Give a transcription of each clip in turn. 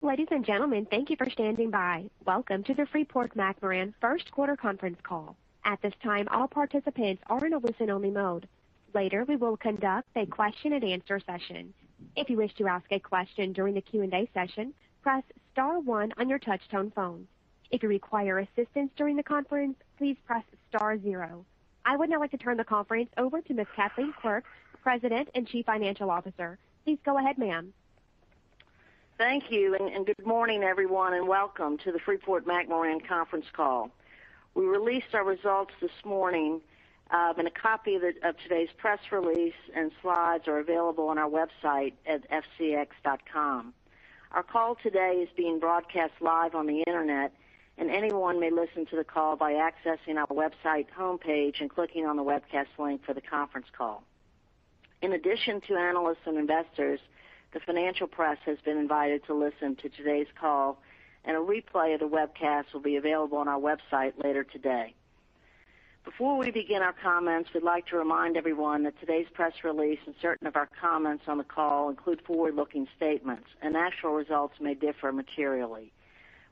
Ladies and gentlemen, thank you for standing by. Welcome to the Freeport-McMoRan first quarter conference call. At this time, all participants are in a listen-only mode. Later, we will conduct a question and answer session. If you wish to ask a question during the Q&A session, press star one on your touch-tone phone. If you require assistance during the conference, please press star zero. I would now like to turn the conference over to Ms. Kathleen Quirk, President and Chief Financial Officer. Please go ahead, ma'am. Thank you. Good morning, everyone, and welcome to the Freeport-McMoRan conference call. We released our results this morning. A copy of today's press release and slides are available on our website at fcx.com. Our call today is being broadcast live on the internet. Anyone may listen to the call by accessing our website homepage and clicking on the webcast link for the conference call. In addition to analysts and investors, the financial press has been invited to listen to today's call. A replay of the webcast will be available on our website later today. Before we begin our comments, we'd like to remind everyone that today's press release and certain of our comments on the call include forward-looking statements. Actual results may differ materially.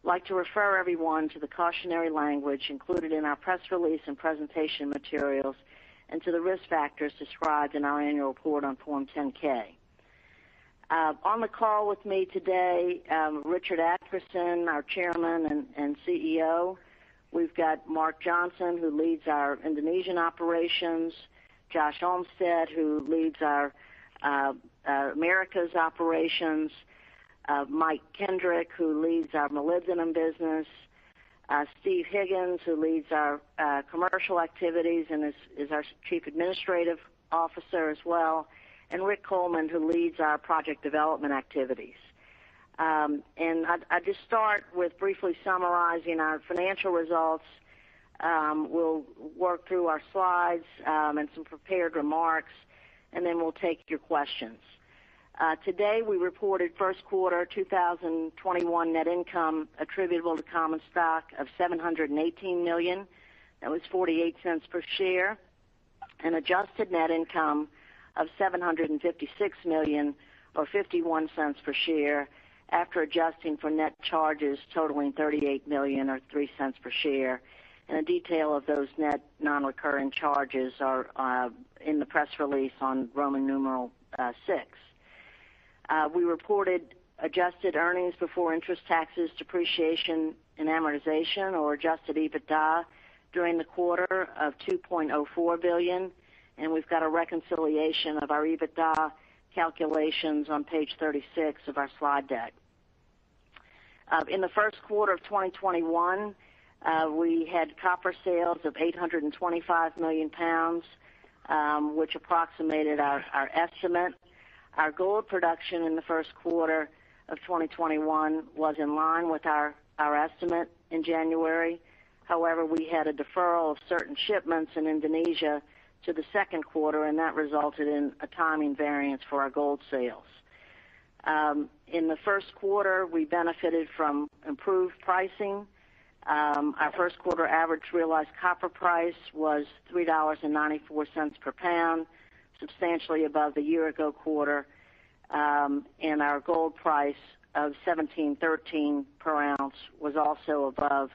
I'd like to refer everyone to the cautionary language included in our press release and presentation materials and to the risk factors described in our annual report on Form 10-K. On the call with me today, Richard Adkerson, our Chairman and CEO. We've got Mark Johnson, who leads our Indonesian operations, Josh Olmsted, who leads our Americas operations, Mike Kendrick, who leads our Molybdenum business, Steve Higgins, who leads our commercial activities and is our Chief Administrative Officer as well, and Rick Coleman, who leads our project development activities. I'll just start with briefly summarizing our financial results. We'll work through our slides and some prepared remarks, and then we'll take your questions. Today, we reported first quarter 2021 net income attributable to common stock of $718 million. That was $0.48 per share, adjusted net income of $756 million or $0.51 per share after adjusting for net charges totaling $38 million or $0.03 per share. The detail of those net non-recurring charges are in the press release on Roman numeral six. We reported adjusted earnings before interest, taxes, depreciation, and amortization or adjusted EBITDA during the quarter of $2.04 billion, we've got a reconciliation of our EBITDA calculations on page 36 of our slide deck. In the first quarter of 2021, we had copper sales of 825 million pounds, which approximated our estimate. Our gold production in the first quarter of 2021 was in line with our estimate in January. We had a deferral of certain shipments in Indonesia to the second quarter, that resulted in a timing variance for our gold sales. In the first quarter, we benefited from improved pricing. Our first quarter average realized copper price was $3.94 per pound, substantially above the year ago quarter. Our gold price of $1,713 per ounce was also above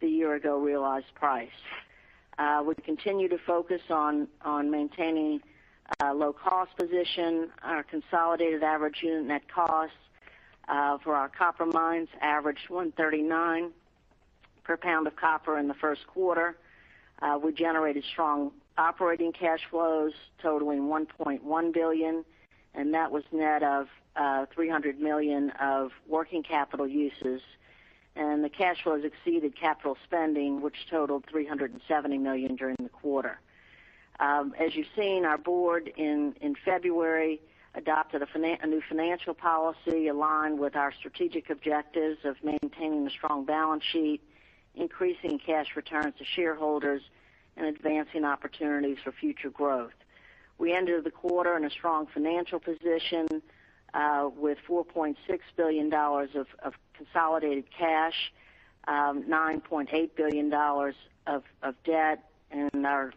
the year ago realized price. We continue to focus on maintaining a low-cost position. Our consolidated average unit net cost for our copper mines averaged $1.39 per pound of copper in the first quarter. We generated strong operating cash flows totaling $1.1 billion, and that was net of $300 million of working capital uses. The cash flows exceeded capital spending, which totaled $370 million during the quarter. As you've seen, our board in February adopted a new financial policy aligned with our strategic objectives of maintaining a strong balance sheet, increasing cash returns to shareholders, and advancing opportunities for future growth. We ended the quarter in a strong financial position with $4.6 billion of consolidated cash, $9.8 billion of debt, and our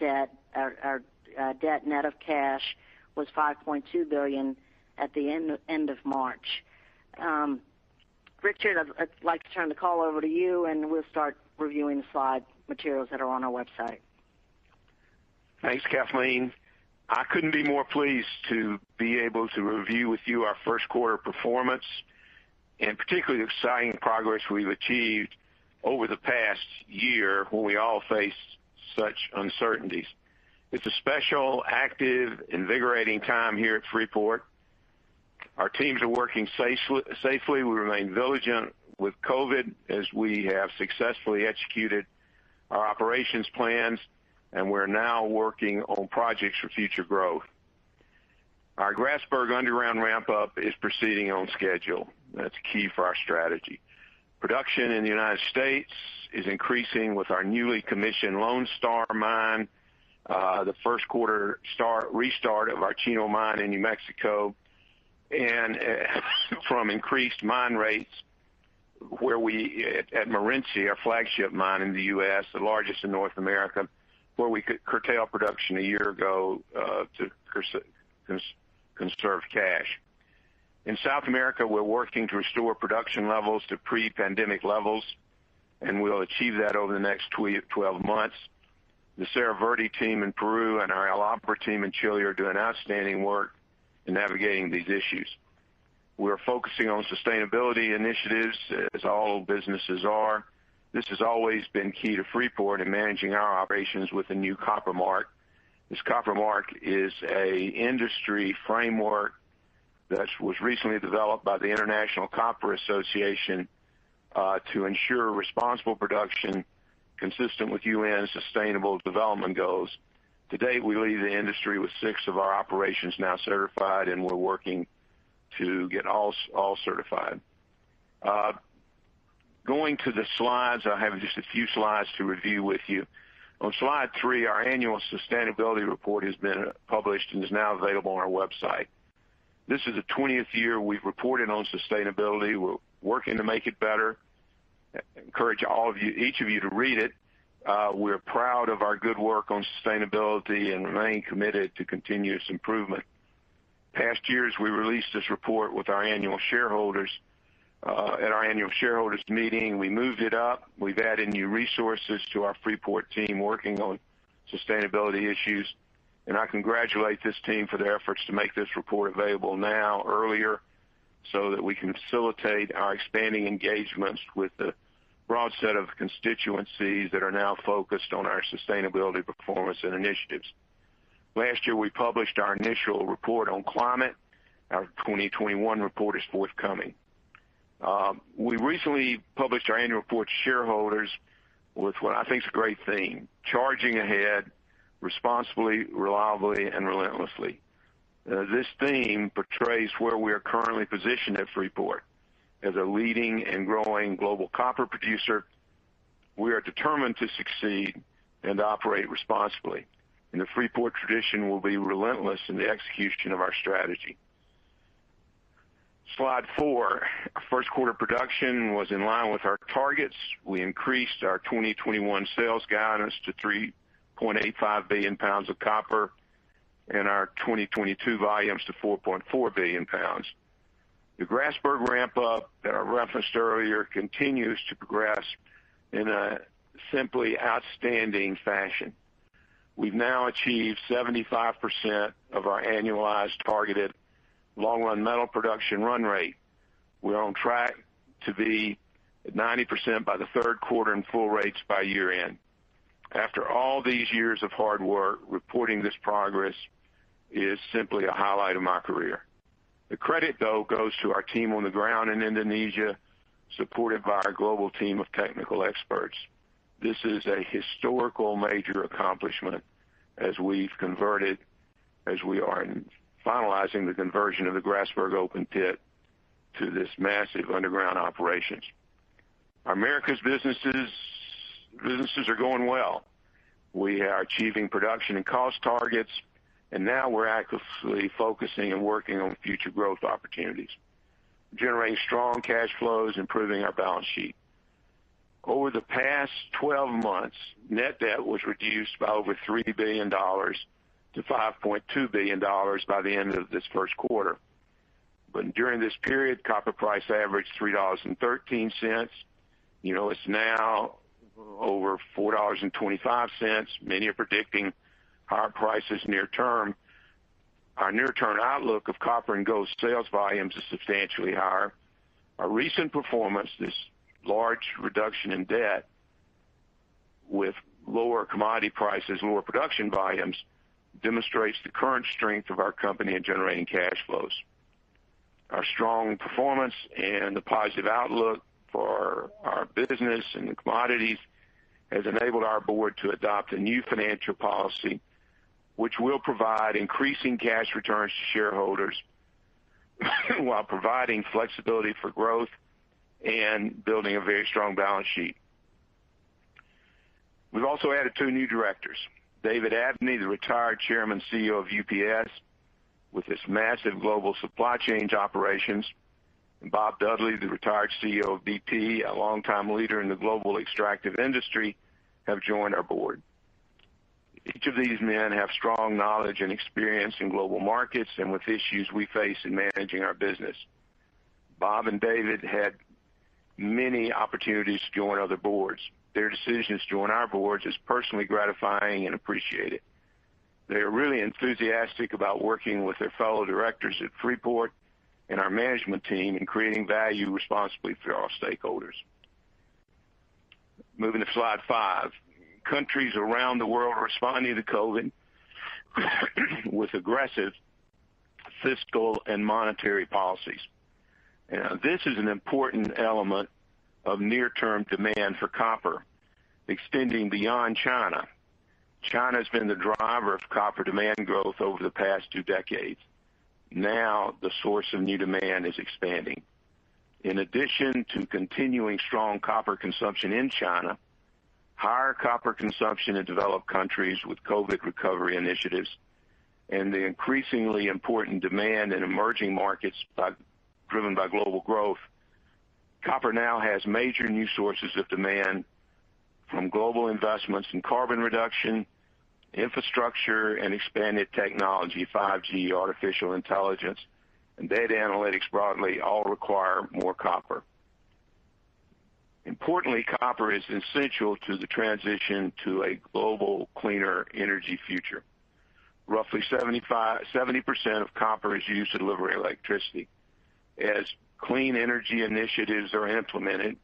debt net of cash was $5.2 billion at the end of March. Richard, I'd like to turn the call over to you, and we'll start reviewing the slide materials that are on our website. Thanks, Kathleen. I couldn't be more pleased to be able to review with you our first quarter performance, and particularly the exciting progress we've achieved over the past year when we all faced such uncertainties. It's a special, active, invigorating time here at Freeport. Our teams are working safely. We remain vigilant with COVID as we have successfully executed our operations plans, and we're now working on projects for future growth. Our Grasberg underground ramp-up is proceeding on schedule. That's key for our strategy. Production in the United States is increasing with our newly commissioned Lone Star mine, the first quarter restart of our Chino mine in New Mexico, and from increased mine rates at Morenci, our flagship mine in the U.S., the largest in North America, where we could curtail production a year ago to conserve cash. In South America, we're working to restore production levels to pre-pandemic levels, and we'll achieve that over the next 12 months. The Cerro Verde team in Peru and our El Abra team in Chile are doing outstanding work in navigating these issues. We're focusing on sustainability initiatives as all businesses are. This has always been key to Freeport in managing our operations with the new Copper Mark. This Copper Mark is an industry framework that was recently developed by the International Copper Association to ensure responsible production consistent with UN sustainable development goals. To date, we lead the industry with six of our operations now certified, and we're working to get all certified. Going to the slides, I have just a few slides to review with you. On slide three, our annual sustainability report has been published and is now available on our website. This is the 20th year we've reported on sustainability. We're working to make it better. Encourage each of you to read it. We're proud of our good work on sustainability and remain committed to continuous improvement. Past years, we released this report at our annual shareholders meeting. We moved it up. We've added new resources to our Freeport team working on sustainability issues, and I congratulate this team for their efforts to make this report available now earlier so that we can facilitate our expanding engagements with the broad set of constituencies that are now focused on our sustainability performance and initiatives. Last year, we published our initial report on climate. Our 2021 report is forthcoming. We recently published our annual report to shareholders with what I think is a great theme, charging ahead responsibly, reliably and relentlessly. This theme portrays where we are currently positioned at Freeport. As a leading and growing global copper producer, we are determined to succeed and operate responsibly. The Freeport tradition will be relentless in the execution of our strategy. Slide four. First quarter production was in line with our targets. We increased our 2021 sales guidance to 3.85 billion pounds of copper and our 2022 volumes to 4.4 billion pounds. The Grasberg ramp-up that I referenced earlier continues to progress in a simply outstanding fashion. We've now achieved 75% of our annualized targeted long-run metal production run rate. We're on track to be at 90% by the third quarter and full rates by year-end. After all these years of hard work, reporting this progress is simply a highlight of my career. The credit, though, goes to our team on the ground in Indonesia, supported by our global team of technical experts. This is a historical major accomplishment as we are finalizing the conversion of the Grasberg open pit to this massive underground operations. Our Americas businesses are going well. We are achieving production and cost targets and now we're actively focusing and working on future growth opportunities, generating strong cash flows, improving our balance sheet. Over the past 12 months, net debt was reduced by over $3 billion to $5.2 billion by the end of this first quarter. During this period, copper price averaged $3.13. It's now over $4.25. Many are predicting higher prices near term. Our near-term outlook of copper and gold sales volumes is substantially higher. Our recent performance, this large reduction in debt with lower commodity prices, lower production volumes, demonstrates the current strength of our company in generating cash flows. Our strong performance and the positive outlook for our business and the commodities has enabled our board to adopt a new financial policy, which will provide increasing cash returns to shareholders while providing flexibility for growth and building a very strong balance sheet. We've also added two new directors. David Abney, the retired Chairman, CEO of UPS, with his massive global supply chains operations, and Bob Dudley, the retired CEO of BP, a longtime leader in the global extractive industry, have joined our board. Each of these men have strong knowledge and experience in global markets and with issues we face in managing our business. Bob and David had many opportunities to join other boards. Their decisions to join our boards is personally gratifying and appreciated. They are really enthusiastic about working with their fellow directors at Freeport and our management team in creating value responsibly for our stakeholders. Moving to slide five. Countries around the world are responding to COVID with aggressive fiscal and monetary policies. This is an important element of near-term demand for copper extending beyond China. China has been the driver of copper demand growth over the past two decades. Now, the source of new demand is expanding. In addition to continuing strong copper consumption in China, higher copper consumption in developed countries with COVID recovery initiatives and the increasingly important demand in emerging markets driven by global growth. Copper now has major new sources of demand from global investments in carbon reduction, infrastructure, and expanded technology, 5G, artificial intelligence, and data analytics broadly all require more copper. Importantly, copper is essential to the transition to a global, cleaner energy future. Roughly 70% of copper is used to deliver electricity. As clean energy initiatives are implemented,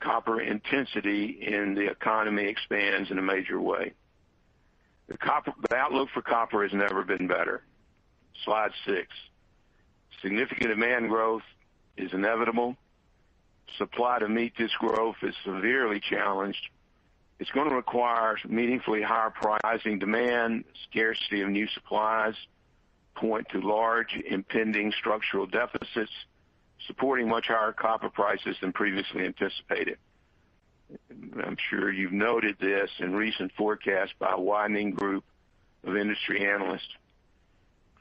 copper intensity in the economy expands in a major way. The outlook for copper has never been better. Slide six. Significant demand growth is inevitable. Supply to meet this growth is severely challenged. It's going to require meaningfully higher pricing demand, scarcity of new supplies, point to large impending structural deficits, supporting much higher copper prices than previously anticipated. I'm sure you've noted this in recent forecasts by a widening group of industry analysts.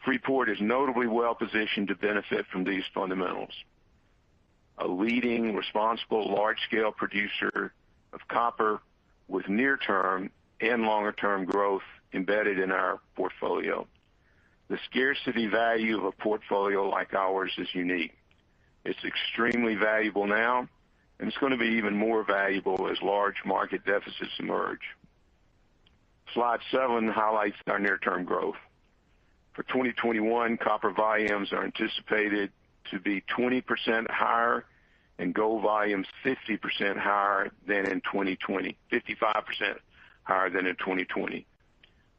Freeport is notably well-positioned to benefit from these fundamentals. A leading responsible large-scale producer of copper with near-term and longer-term growth embedded in our portfolio. The scarcity value of a portfolio like ours is unique. It's extremely valuable now, and it's going to be even more valuable as large market deficits emerge. Slide seven highlights our near-term growth. For 2021, copper volumes are anticipated to be 20% higher and gold volumes 55% higher than in 2020.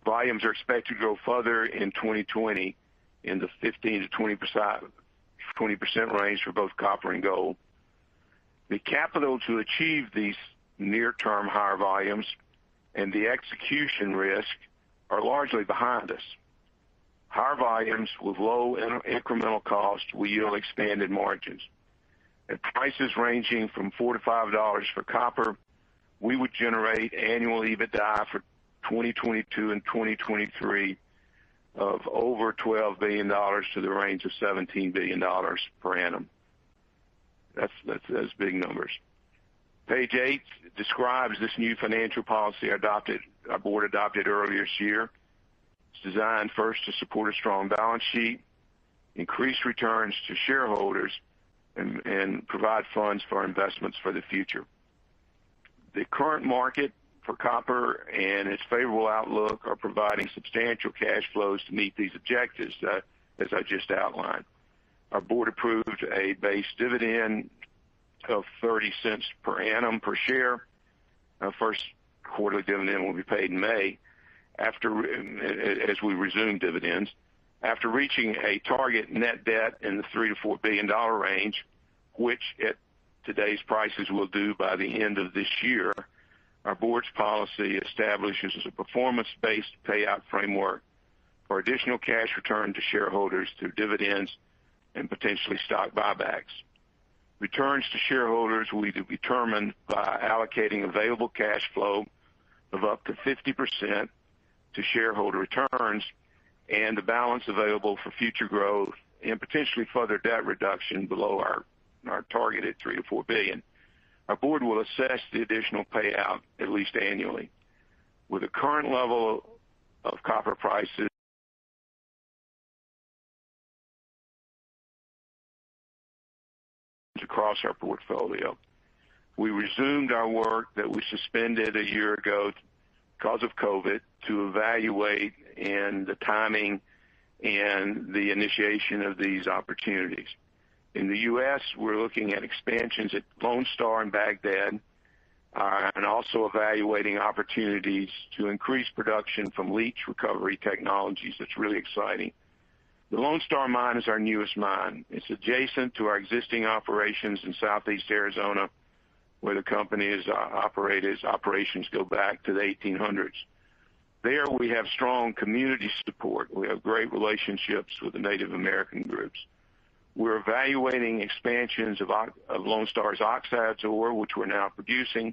Volumes are expected to grow further in 2020 in the 15%-20% range for both copper and gold. The capital to achieve these near-term higher volumes and the execution risk are largely behind us. Higher volumes with low incremental cost will yield expanded margins. At prices ranging from $4-$5 for copper, we would generate annual EBITDA for 2022 and 2023 of over $12 billion-$17 billion per annum. That's big numbers. Page eight describes this new financial policy our board adopted earlier this year. It's designed first to support a strong balance sheet, increase returns to shareholders, and provide funds for investments for the future. The current market for copper and its favorable outlook are providing substantial cash flows to meet these objectives, as I just outlined. Our board approved a base dividend of $0.30 per annum per share. Our first quarterly dividend will be paid in May, as we resume dividends. After reaching a target net debt in the $3 billion-$4 billion range, which at today's prices we'll do by the end of this year, our board's policy establishes a performance-based payout framework for additional cash return to shareholders through dividends and potentially stock buybacks. Returns to shareholders will be determined by allocating available cash flow of up to 50% to shareholder returns and the balance available for future growth and potentially further debt reduction below our target at $3 billion-$4 billion. Our board will assess the additional payout at least annually. With the current level of copper prices across our portfolio, we resumed our work that we suspended a year ago because of COVID to evaluate the timing and the initiation of these opportunities. In the U.S., we're looking at expansions at Lone Star and Bagdad and also evaluating opportunities to increase production from leach recovery technologies. That's really exciting. The Lone Star mine is our newest mine. It's adjacent to our existing operations in Southeast Arizona, where the company's operations go back to the 1800s. There, we have strong community support. We have great relationships with the Native American groups. We're evaluating expansions of Lone Star's oxide ore, which we're now producing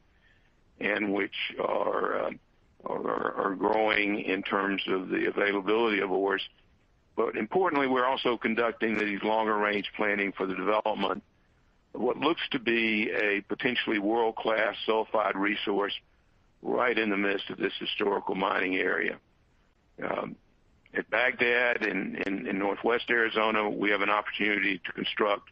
and which are growing in terms of the availability of ores. Importantly, we're also conducting these longer-range planning for the development of what looks to be a potentially world-class sulfide resource right in the midst of this historical mining area. At Bagdad in Northwest Arizona, we have an opportunity to construct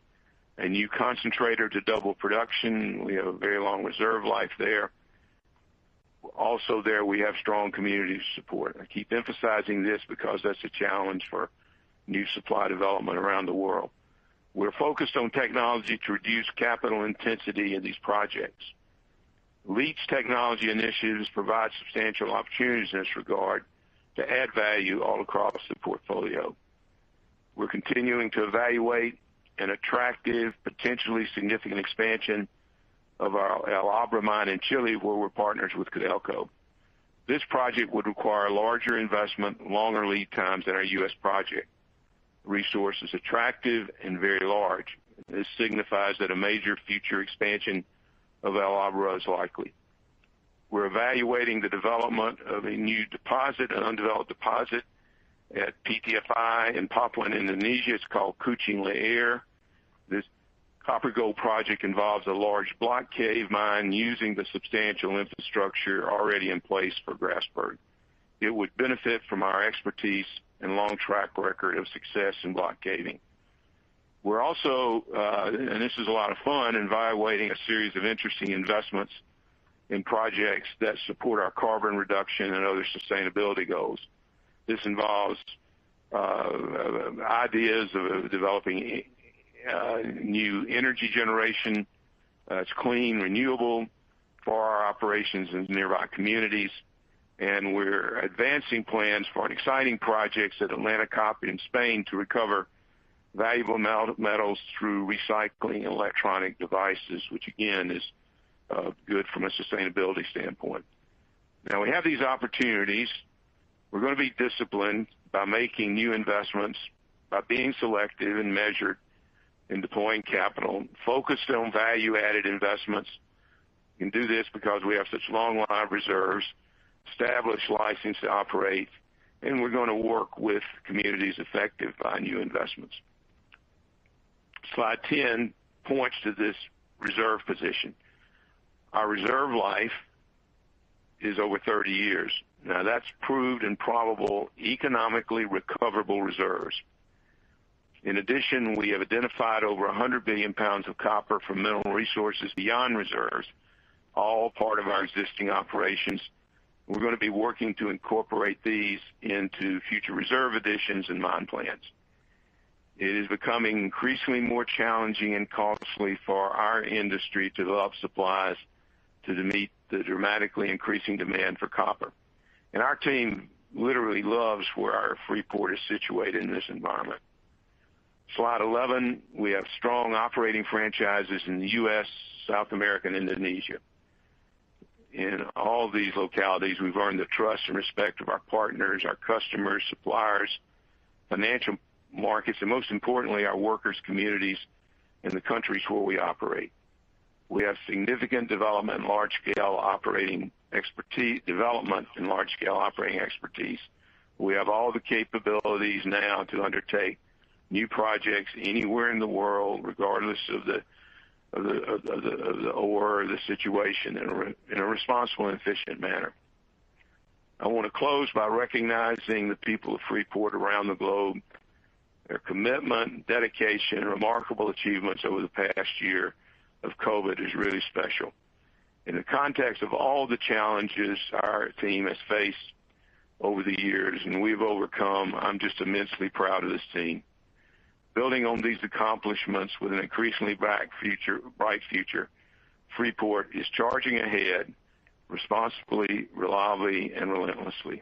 a new concentrator to double production. We have a very long reserve life there. Also there, we have strong community support. I keep emphasizing this because that's a challenge for new supply development around the world. We're focused on technology to reduce capital intensity in these projects. Leach technology initiatives provide substantial opportunities in this regard to add value all across the portfolio. We're continuing to evaluate an attractive, potentially significant expansion of our El Abra mine in Chile, where we're partners with CODELCO. This project would require a larger investment, longer lead times than our U.S. project. Resource is attractive and very large. This signifies that a major future expansion of El Abra is likely. We're evaluating the development of a new deposit, an undeveloped deposit at PTFI in Papua, Indonesia. It's called Kucing Liar. This copper-gold project involves a large block cave mine using the substantial infrastructure already in place for Grasberg. It would benefit from our expertise and long track record of success in block caving. We're also, and this is a lot of fun, evaluating a series of interesting investments in projects that support our carbon reduction and other sustainability goals. This involves ideas of developing new energy generation that's clean, renewable for our operations in nearby communities, and we're advancing plans for an exciting project at Atlantic Copper in Spain to recover valuable metals through recycling electronic devices, which again, is good from a sustainability standpoint. Now we have these opportunities. We're going to be disciplined by making new investments, by being selective and measured in deploying capital, focused on value-added investments. We can do this because we have such long live reserves, established license to operate, and we're going to work with communities affected by new investments. Slide 10, points to this reserve position. Our reserve life is over 30 years. Now, that's proved and probable economically recoverable reserves. In addition, we have identified over 100 billion pounds of copper from mineral resources beyond reserves, all part of our existing operations. We're going to be working to incorporate these into future reserve additions and mine plans. It is becoming increasingly more challenging and costly for our industry to develop supplies to meet the dramatically increasing demand for copper. Our team literally loves where our Freeport is situated in this environment. Slide 11, we have strong operating franchises in the U.S., South America, and Indonesia. In all these localities, we've earned the trust and respect of our partners, our customers, suppliers, financial markets, and most importantly, our workers, communities in the countries where we operate. We have significant development in large-scale operating expertise. We have all the capabilities now to undertake new projects anywhere in the world, regardless of the ore or the situation in a responsible and efficient manner. I want to close by recognizing the people of Freeport around the globe. Their commitment, dedication, and remarkable achievements over the past year of COVID is really special. In the context of all the challenges our team has faced over the years and we've overcome, I'm just immensely proud of this team. Building on these accomplishments with an increasingly bright future, Freeport is charging ahead responsibly, reliably and relentlessly.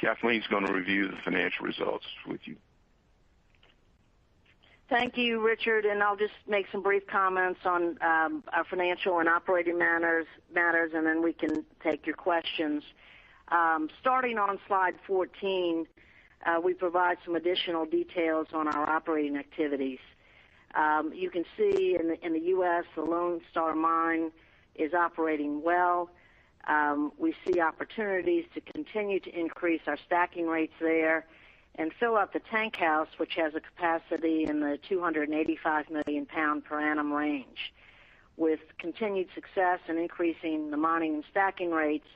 Kathleen's going to review the financial results with you. Thank you, Richard. I'll just make some brief comments on our financial and operating matters, and then we can take your questions. Starting on slide 14, we provide some additional details on our operating activities. You can see in the U.S., the Lone Star mine is operating well. We see opportunities to continue to increase our stacking rates there and fill up the tank house, which has a capacity in the 285 million pound per annum range. With continued success in increasing the mining and stacking rates,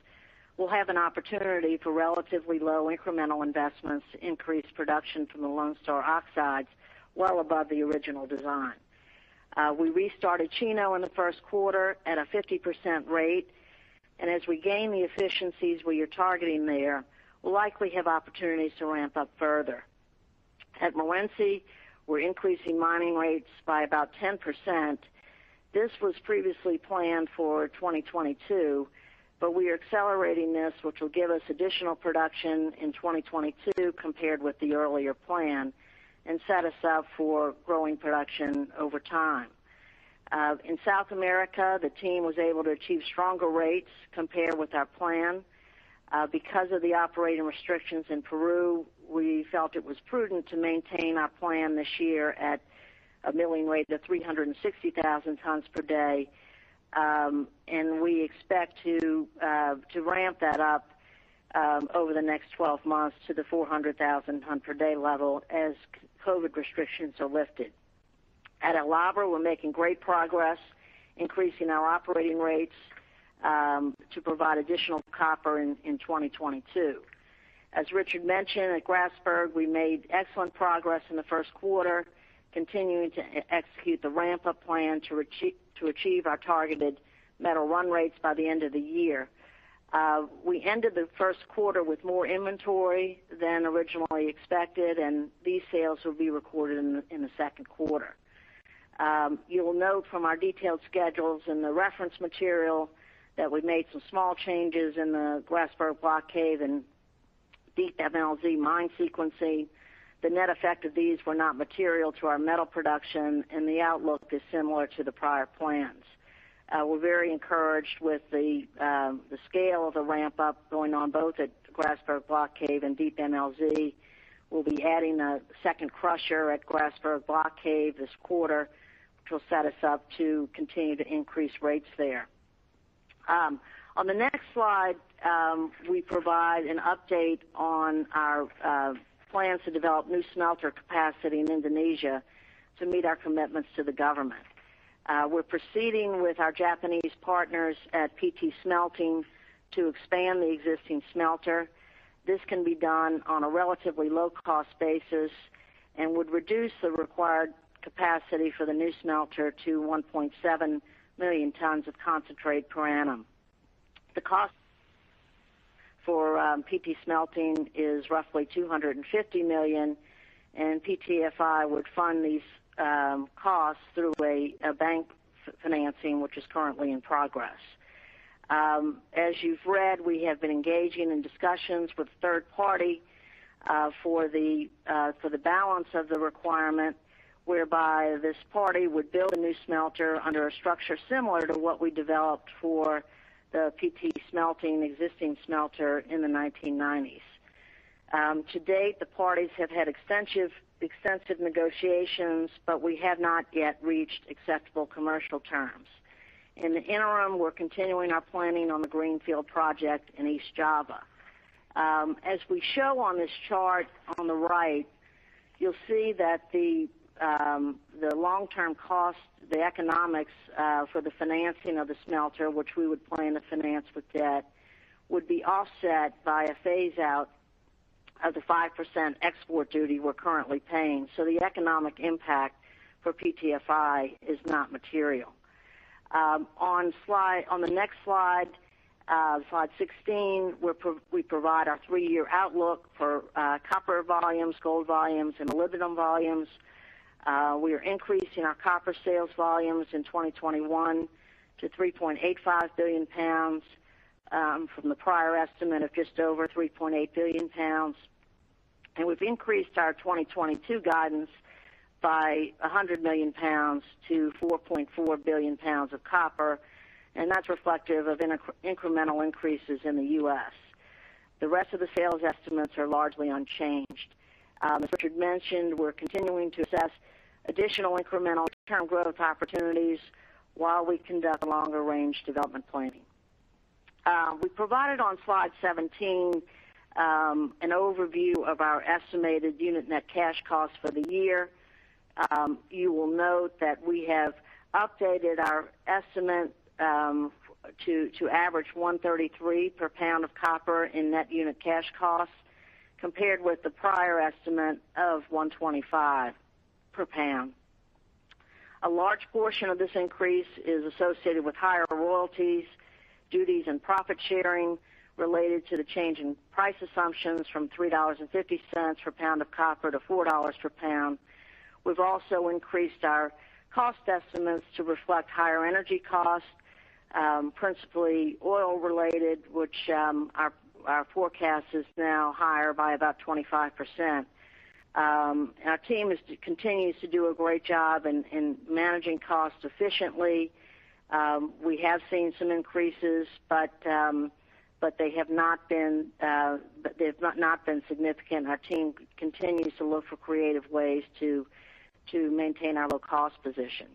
we'll have an opportunity for relatively low incremental investments to increase production from the Lone Star oxides well above the original design. We restarted Chino in the first quarter at a 50% rate, and as we gain the efficiencies we are targeting there, we'll likely have opportunities to ramp up further. At Morenci, we're increasing mining rates by about 10%. This was previously planned for 2022, but we are accelerating this, which will give us additional production in 2022 compared with the earlier plan and set us up for growing production over time. In South America, the team was able to achieve stronger rates compared with our plan. Because of the operating restrictions in Peru, we felt it was prudent to maintain our plan this year at a milling rate of 360,000 tons per day. We expect to ramp that up over the next 12 months to the 400,000 ton per day level as COVID restrictions are lifted. At El Abra, we're making great progress increasing our operating rates to provide additional copper in 2022. As Richard mentioned, at Grasberg, we made excellent progress in the first quarter, continuing to execute the ramp-up plan to achieve our targeted metal run rates by the end of the year. We ended the first quarter with more inventory than originally expected, and these sales will be recorded in the second quarter. You will note from our detailed schedules in the reference material that we made some small changes in the Grasberg Block Cave and Deep MLZ mine sequencing. The net effect of these were not material to our metal production, and the outlook is similar to the prior plans. We're very encouraged with the scale of the ramp-up going on both at Grasberg Block Cave and Deep MLZ. We'll be adding a second crusher at Grasberg Block Cave this quarter, which will set us up to continue to increase rates there. On the next slide, we provide an update on our plans to develop new smelter capacity in Indonesia to meet our commitments to the government. We're proceeding with our Japanese partners at PT Smelting to expand the existing smelter. This can be done on a relatively low-cost basis and would reduce the required capacity for the new smelter to 1.7 million tons of concentrate per annum. The cost for PT Smelting is roughly $250 million, and PTFI would fund these costs through a bank financing, which is currently in progress. As you've read, we have been engaging in discussions with a third party for the balance of the requirement, whereby this party would build a new smelter under a structure similar to what we developed for the PT Smelting existing smelter in the 1990s. To date, the parties have had extensive negotiations, but we have not yet reached acceptable commercial terms. In the interim, we're continuing our planning on the greenfield project in East Java. As we show on this chart on the right, you'll see that the long-term cost, the economics for the financing of the smelter, which we would plan to finance with debt, would be offset by a phase-out of the 5% export duty we're currently paying. The economic impact for PTFI is not material. On the next slide 16, we provide our three-year outlook for copper volumes, gold volumes, and molybdenum volumes. We are increasing our copper sales volumes in 2021 to 3.85 billion pounds from the prior estimate of just over 3.8 billion pounds. We've increased our 2022 guidance by 100 million pounds to 4.4 billion pounds of copper, and that's reflective of incremental increases in the U.S. The rest of the sales estimates are largely unchanged. As Richard mentioned, we're continuing to assess additional incremental long-term growth opportunities while we conduct longer-range development planning. We provided on slide 17 an overview of our estimated unit net cash costs for the year. You will note that we have updated our estimate to average 133 per pound of copper in net unit cash costs compared with the prior estimate of 125 per pound. A large portion of this increase is associated with higher royalties, duties, and profit sharing related to the change in price assumptions from $3.50 per pound of copper to $4.00 per pound. We've also increased our cost estimates to reflect higher energy costs, principally oil-related, which our forecast is now higher by about 25%. Our team continues to do a great job in managing costs efficiently. We have seen some increases, but they have not been significant. Our team continues to look for creative ways to maintain our low-cost position.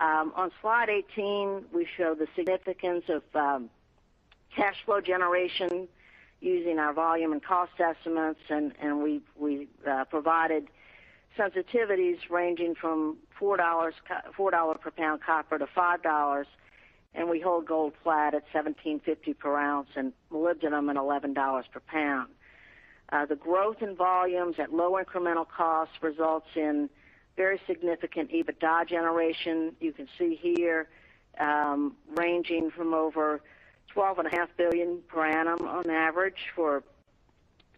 On slide 18, we show the significance of cash flow generation using our volume and cost estimates. We provided sensitivities ranging from $4.00 per pound copper to $5.00 per pound. We hold gold flat at $1,750 per ounce and molybdenum at $11 per pound. The growth in volumes at low incremental cost results in very significant EBITDA generation. You can see here, ranging from over $12.5 billion per annum on average for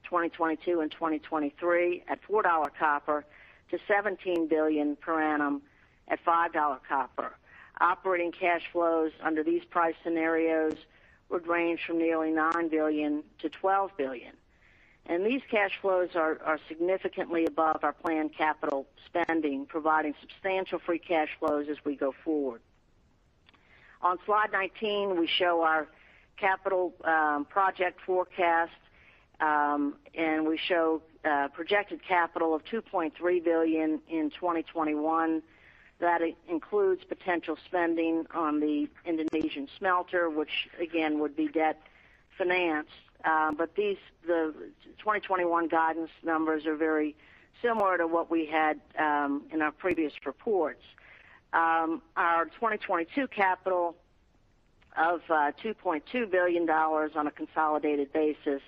2022 and 2023 at $4.00 copper to $17 billion per annum at $5.00 copper. Operating cash flows under these price scenarios would range from nearly $9 billion to $12 billion. These cash flows are significantly above our planned capital spending, providing substantial free cash flows as we go forward. On slide 19, we show our capital project forecast. We show projected capital of $2.3 billion in 2021. That includes potential spending on the Indonesian smelter, which again, would be debt financed. The 2021 guidance numbers are very similar to what we had in our previous reports. Our 2022 capital of $2.2 billion on a consolidated basis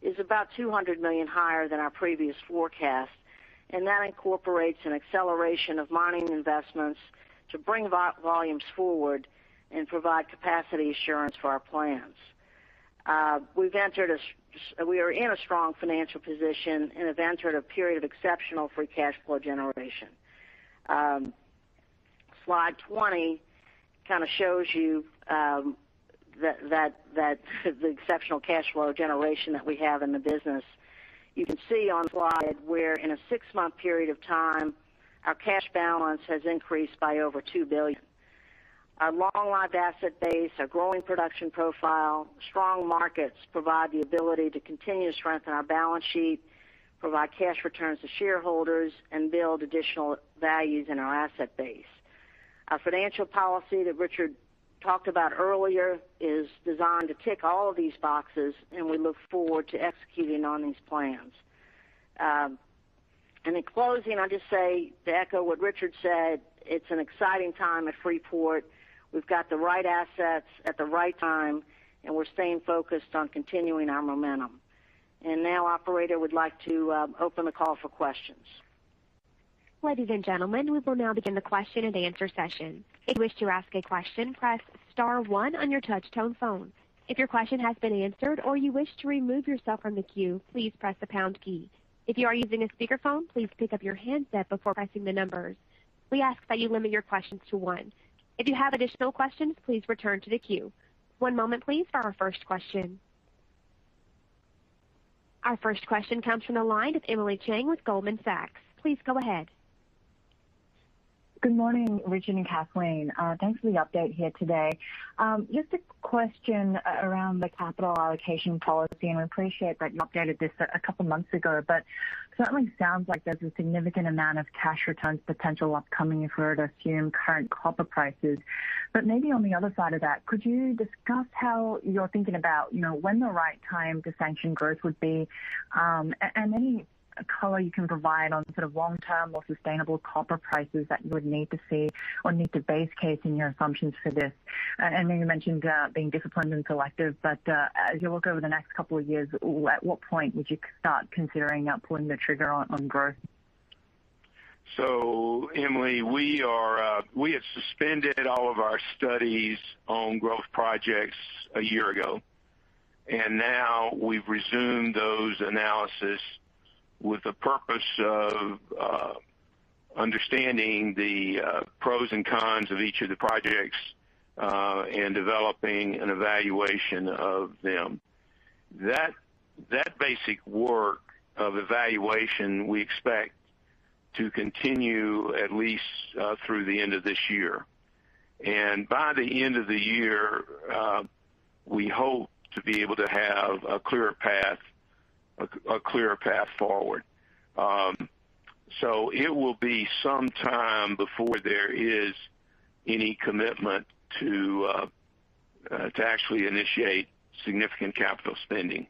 is about $200 million higher than our previous forecast, and that incorporates an acceleration of mining investments to bring volumes forward and provide capacity assurance for our plans. We are in a strong financial position and have entered a period of exceptional free cash flow generation. Slide 20 kind of shows you that the exceptional cash flow generation that we have in the business. You can see on the slide where in a six-month period of time, our cash balance has increased by over $2 billion. Our long-lived asset base, our growing production profile, strong markets provide the ability to continue to strengthen our balance sheet, provide cash returns to shareholders and build additional values in our asset base. Our financial policy that Richard talked about earlier, is designed to tick all of these boxes. We look forward to executing on these plans. In closing, I'll just say to echo what Richard said, it's an exciting time at Freeport. We've got the right assets at the right time. We're staying focused on continuing our momentum. Now operator, we'd like to open the call for questions. Ladies and gentlemen, we will now begin the question-and-answer session. If you wish to ask a question, press star one on your touch-tone phone. If your question has been answered or you wish to remove yourself from the queue, please press the pound key. If you are using a speaker phone, please pickup your handset before pressing the number. We ask that you limit your question to one. If you have additional questions, please return to the queue. One moment please for our first question. Our first question comes from the line of Emily Chieng with Goldman Sachs. Please go ahead. Good morning, Richard and Kathleen. Thanks for the update here today. Just a question around the capital allocation policy. We appreciate that you updated this a couple of months ago. Certainly sounds like there's a significant amount of cash returns potential upcoming if we were to assume current copper prices. Maybe on the other side of that, could you discuss how you're thinking about when the right time to sanction growth would be? Any color you can provide on sort of long-term or sustainable copper prices that you would need to see or need to base case in your assumptions for this. I know you mentioned being disciplined and selective. As you look over the next couple of years, at what point would you start considering pulling the trigger on growth? Emily, we had suspended all of our studies on growth projects a year ago. Now we've resumed those analyses with the purpose of understanding the pros and cons of each of the projects, developing an evaluation of them. That basic work of evaluation we expect to continue at least through the end of this year. By the end of the year, we hope to be able to have a clearer path forward. It will be some time before there is any commitment to actually initiate significant capital spending.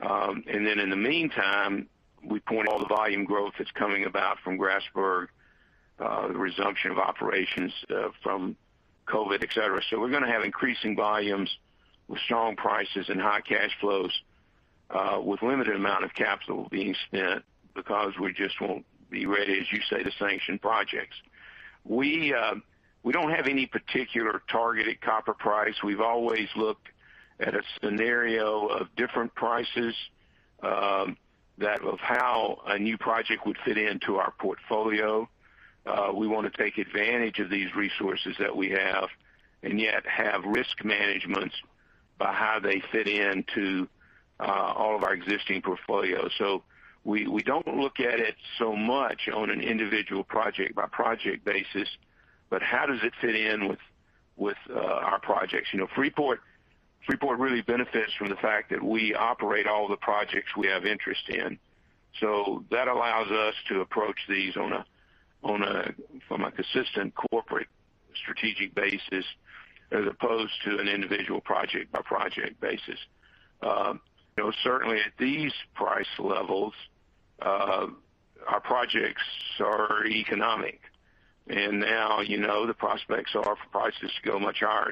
In the meantime, we point all the volume growth that's coming about from Grasberg, the resumption of operations from COVID, et cetera. We're going to have increasing volumes with strong prices and high cash flows, with limited amount of capital being spent because we just won't be ready, as you say, to sanction projects. We don't have any particular targeted copper price. We've always looked at a scenario of different prices, that of how a new project would fit into our portfolio. We want to take advantage of these resources that we have and yet have risk managements by how they fit into all of our existing portfolios. We don't look at it so much on an individual project-by-project basis, but how does it fit in with our projects. Freeport really benefits from the fact that we operate all the projects we have interest in. That allows us to approach these from a consistent corporate strategic basis as opposed to an individual project-by-project basis. Certainly at these price levels, our projects are economic and now the prospects are for prices to go much higher.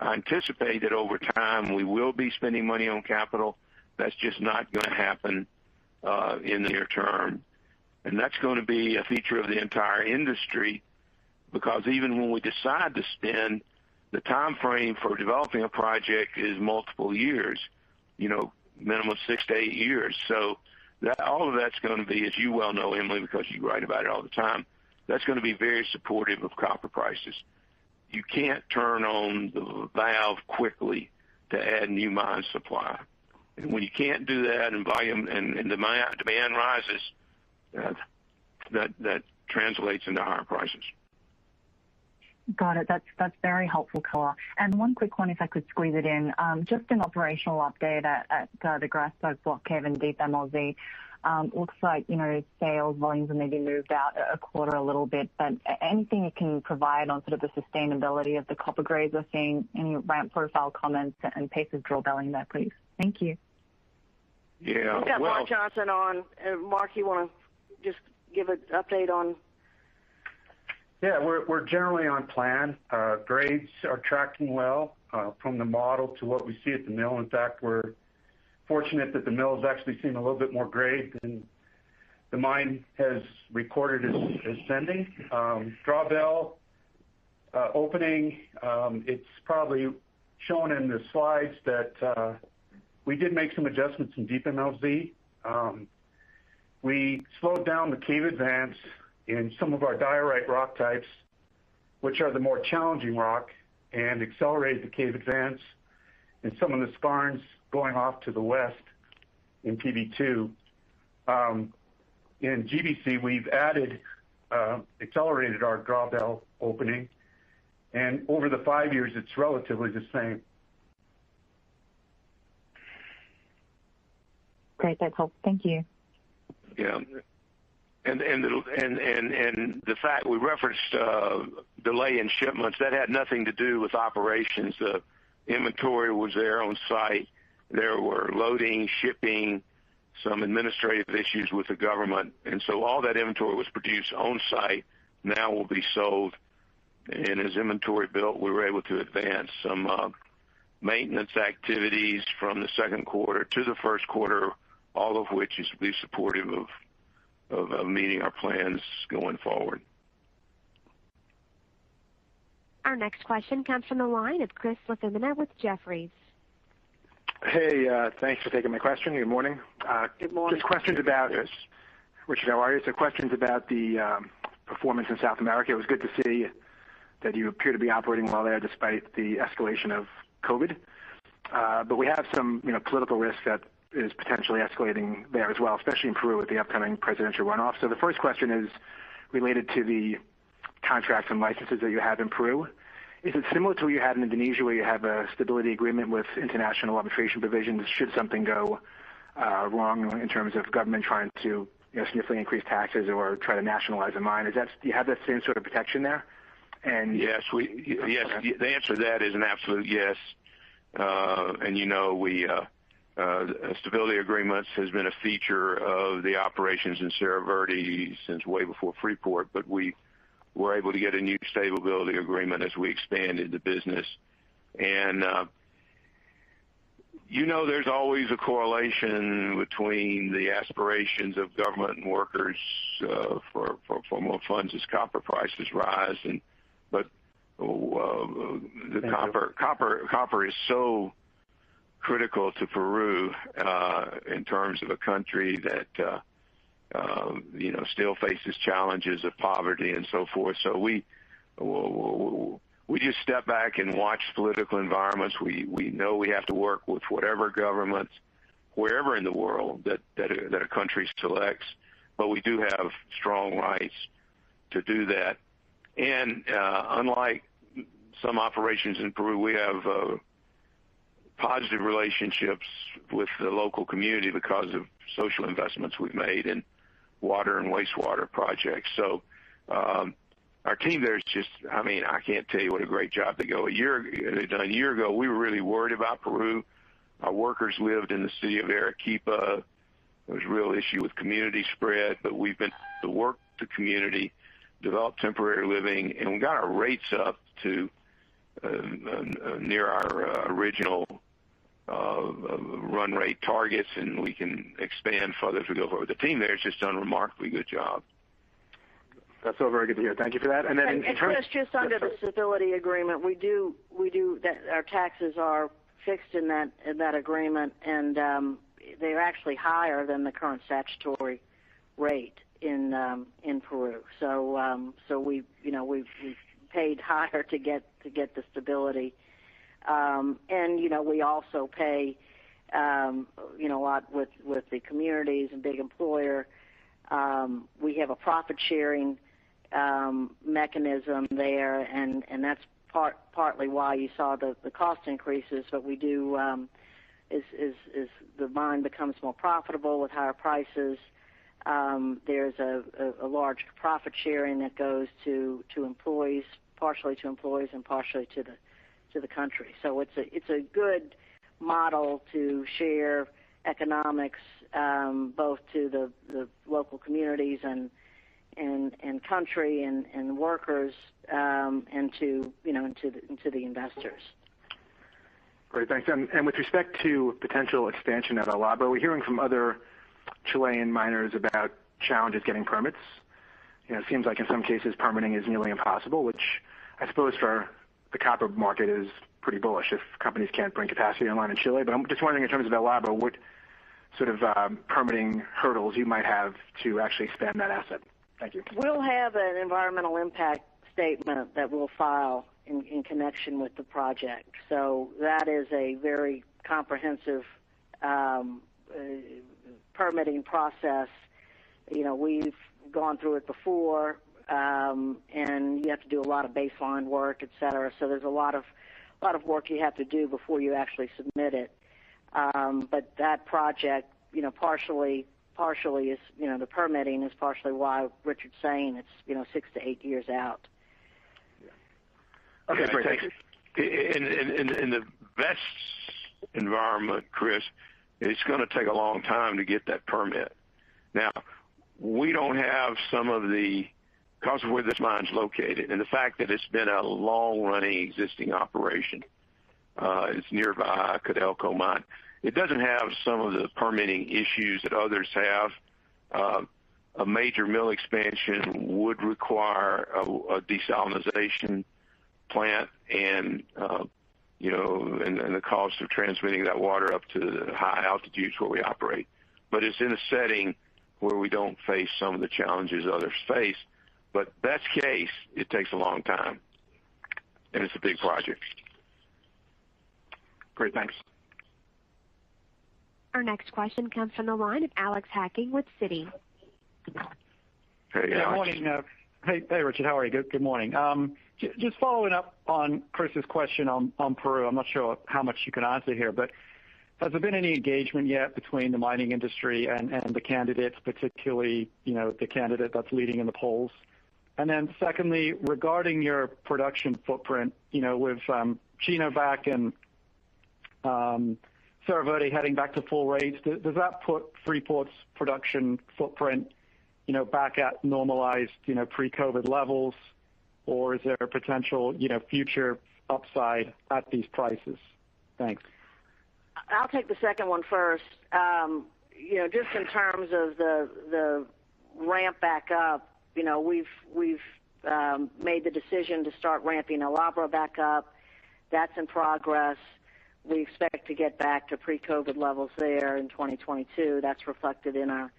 I anticipate that over time we will be spending money on capital. That's just not going to happen in the near term. That's going to be a feature of the entire industry because even when we decide to spend, the timeframe for developing a project is multiple years, minimum six to eight years. All of that's going to be, as you well know, Emily, because you write about it all the time, that's going to be very supportive of copper prices. You can't turn on the valve quickly to add new mine supply. When you can't do that and volume and demand rises, that translates into higher prices. Got it. That's very helpful color. One quick one, if I could squeeze it in. Just an operational update at the Grasberg Block Cave in Deep MLZ. Looks like sales volumes have maybe moved out a quarter a little bit, but anything you can provide on sort of the sustainability of the copper grades we're seeing, any ramp profile comments and pace of drawbelling there, please? Thank you. Yeah, well. We've got Mark Johnson on. Mark, you want to just give an update on? Yeah. We're generally on plan. Grades are tracking well from the model to what we see at the mill. In fact, we're fortunate that the mill's actually seen a little bit more grade than the mine has recorded as sending. Drawbell opening, it's probably shown in the slides that we did make some adjustments in Deep MLZ. We slowed down the cave advance in some of our diorite rock types, which are the more challenging rock, and accelerated the cave advance in some of the skarns going off to the west in PB2. In GBC, we've accelerated our drawbell opening, and over the five years, it's relatively the same. Great. That's helpful. Thank you. Yeah. The fact we referenced a delay in shipments, that had nothing to do with operations. The inventory was there on site. There were loading, shipping, some administrative issues with the government. All that inventory was produced on-site, now will be sold. As inventory built, we were able to advance some maintenance activities from the second quarter to the first quarter, all of which is to be supportive of meeting our plans going forward. Our next question comes from the line of Chris LaFemina with Jefferies. Hey, thanks for taking my question. Good morning. Good morning, Chris. Questions about the performance in South America. It was good to see that you appear to be operating well there despite the escalation of COVID. We have some political risk that is potentially escalating there as well, especially in Peru with the upcoming presidential runoff. The first question is related to the contracts and licenses that you have in Peru. Is it similar to what you had in Indonesia, where you have a stability agreement with international arbitration provisions, should something go wrong in terms of government trying to significantly increase taxes or try to nationalize a mine? Do you have that same sort of protection there? Yes. The answer to that is an absolute yes. Stability agreements has been a feature of the operations in Cerro Verde since way before Freeport, but we were able to get a new stability agreement as we expanded the business. There's always a correlation between the aspirations of government and workers for more funds as copper prices rise. Thank you. Copper is so critical to Peru, in terms of a country that still faces challenges of poverty and so forth. We just step back and watch political environments. We know we have to work with whatever governments, wherever in the world that a country selects, but we do have strong rights to do that. Unlike some operations in Peru, we have positive relationships with the local community because of social investments we've made in water and wastewater projects. Our team there is just, I can't tell you what a great job they've done. A year ago, we were really worried about Peru. Our workers lived in the city of Arequipa. There was a real issue with community spread, but we've been to work with the community, develop temporary living, and we got our rates up to near our original run rate targets, and we can expand further as we go forward. The team there has just done a remarkably good job. That's all very good to hear. Thank you for that. Chris, just under the stability agreement, our taxes are fixed in that agreement, and they're actually higher than the current statutory rate in Peru. We've paid higher to get the stability. We also pay a lot with the communities and big employer. We have a profit-sharing mechanism there, and that's partly why you saw the cost increases, but as the mine becomes more profitable with higher prices, there's a large profit sharing that goes partially to employees and partially to the country. It's a good model to share economics, both to the local communities and country and workers, and to the investors. Great. Thanks. With respect to potential expansion at El Abra, we're hearing from other Chilean miners about challenges getting permits. It seems like in some cases, permitting is nearly impossible, which I suppose for the copper market is pretty bullish if companies can't bring capacity online in Chile. I'm just wondering in terms of El Abra, what sort of permitting hurdles you might have to actually expand that asset. Thank you. We'll have an environmental impact statement that we'll file in connection with the project. That is a very comprehensive permitting process. We've gone through it before, and you have to do a lot of baseline work, et cetera. There's a lot of work you have to do before you actually submit it. That project, the permitting is partially why Richard saying it's six to eight years out. Okay, great. Thank you. In the best environment, Chris, it's going to take a long time to get that permit. Because of where this mine's located and the fact that it's been a long-running existing operation. It's near the CODELCO mine. It doesn't have some of the permitting issues that others have. A major mill expansion would require a desalination plant and the cost of transmitting that water up to the high altitudes where we operate. It's in a setting where we don't face some of the challenges others face. Best case, it takes a long time, and it's a big project. Great. Thanks. Our next question comes from the line of Alex Hacking with Citi. Hey, Alex. Hey. Good morning. Hey, Richard. How are you? Good morning. Just following up on Chris's question on Peru. Has there been any engagement yet between the mining industry and the candidates, particularly, the candidate that's leading in the polls? Secondly, regarding your production footprint, with Chino back and Cerro Verde heading back to full rates, does that put Freeport's production footprint back at normalized pre-COVID levels, or is there potential future upside at these prices? Thanks. I'll take the second one first. Just in terms of the ramp back up, we've made the decision to start ramping El Abra back up. That's in progress. We expect to get back to pre-COVID levels there in 2022. That's reflected in our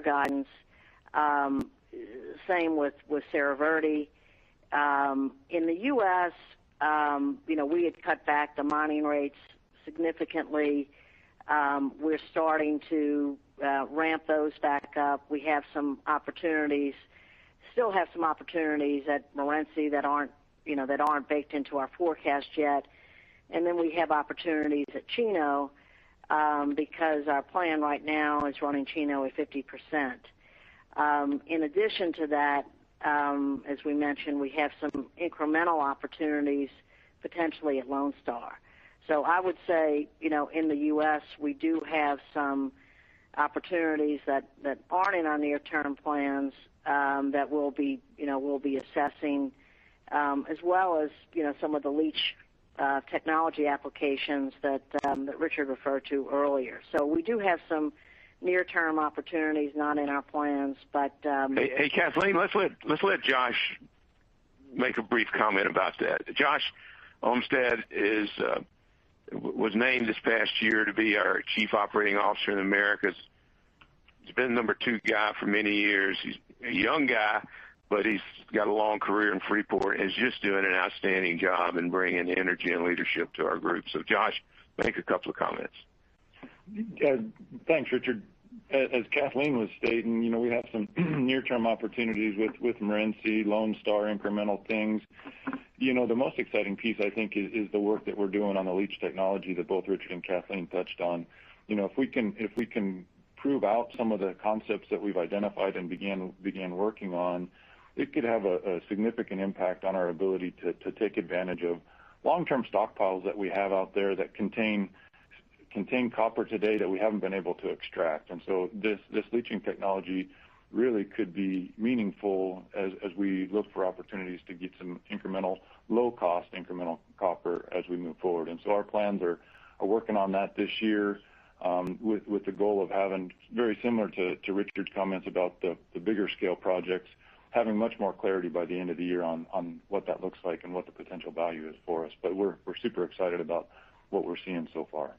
guidance. Same with Cerro Verde. In the U.S., we had cut back the mining rates significantly. We're starting to ramp those back up. We still have some opportunities at Morenci that aren't baked into our forecast yet. We have opportunities at Chino, because our plan right now is running Chino at 50%. In addition to that, as we mentioned, we have some incremental opportunities potentially at Lone Star. I would say, in the U.S., we do have some opportunities that aren't in our near-term plans that we'll be assessing as well as some of the leach technology applications that Richard referred to earlier. We do have some near-term opportunities not in our plans. Hey, Kathleen, let's let Josh make a brief comment about that. Josh Olmsted, was named this past year to be our Chief Operating Officer of Americas. He's been the number two guy for many years. He's a young guy, but he's got a long career in Freeport, and he's just doing an outstanding job in bringing energy and leadership to our group. Josh, make a couple of comments. Thanks, Richard. As Kathleen was stating, we have some near-term opportunities with Morenci, Lone Star, incremental things. The most exciting piece, I think, is the work that we're doing on the leach technology that both Richard and Kathleen touched on. If we can prove out some of the concepts that we've identified and began working on, it could have a significant impact on our ability to take advantage of long-term stockpiles that we have out there that contain copper today that we haven't been able to extract. This leaching technology really could be meaningful as we look for opportunities to get some low-cost incremental copper as we move forward. Our plans are working on that this year with the goal of having, very similar to Richard's comments about the bigger scale projects, having much more clarity by the end of the year on what that looks like and what the potential value is for us. We're super excited about what we're seeing so far.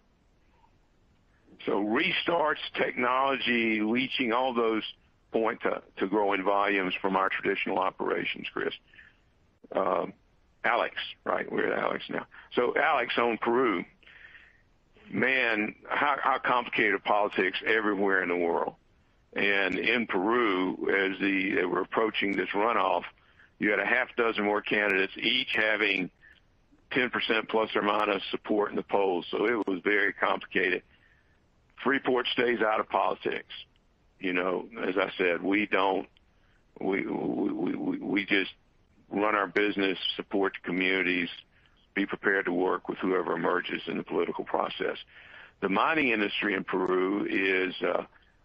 Restarts, technology, leaching, all those point to growing volumes from our traditional operations, Chris. Alex, right? We're with Alex now. Alex, on Peru, man, how complicated are politics everywhere in the world? In Peru, as they were approaching this runoff, you had a half dozen more candidates, each having 10% ± support in the polls. It was very complicated. Freeport stays out of politics. As I said, we just run our business, support the communities, be prepared to work with whoever emerges in the political process. The mining industry in Peru,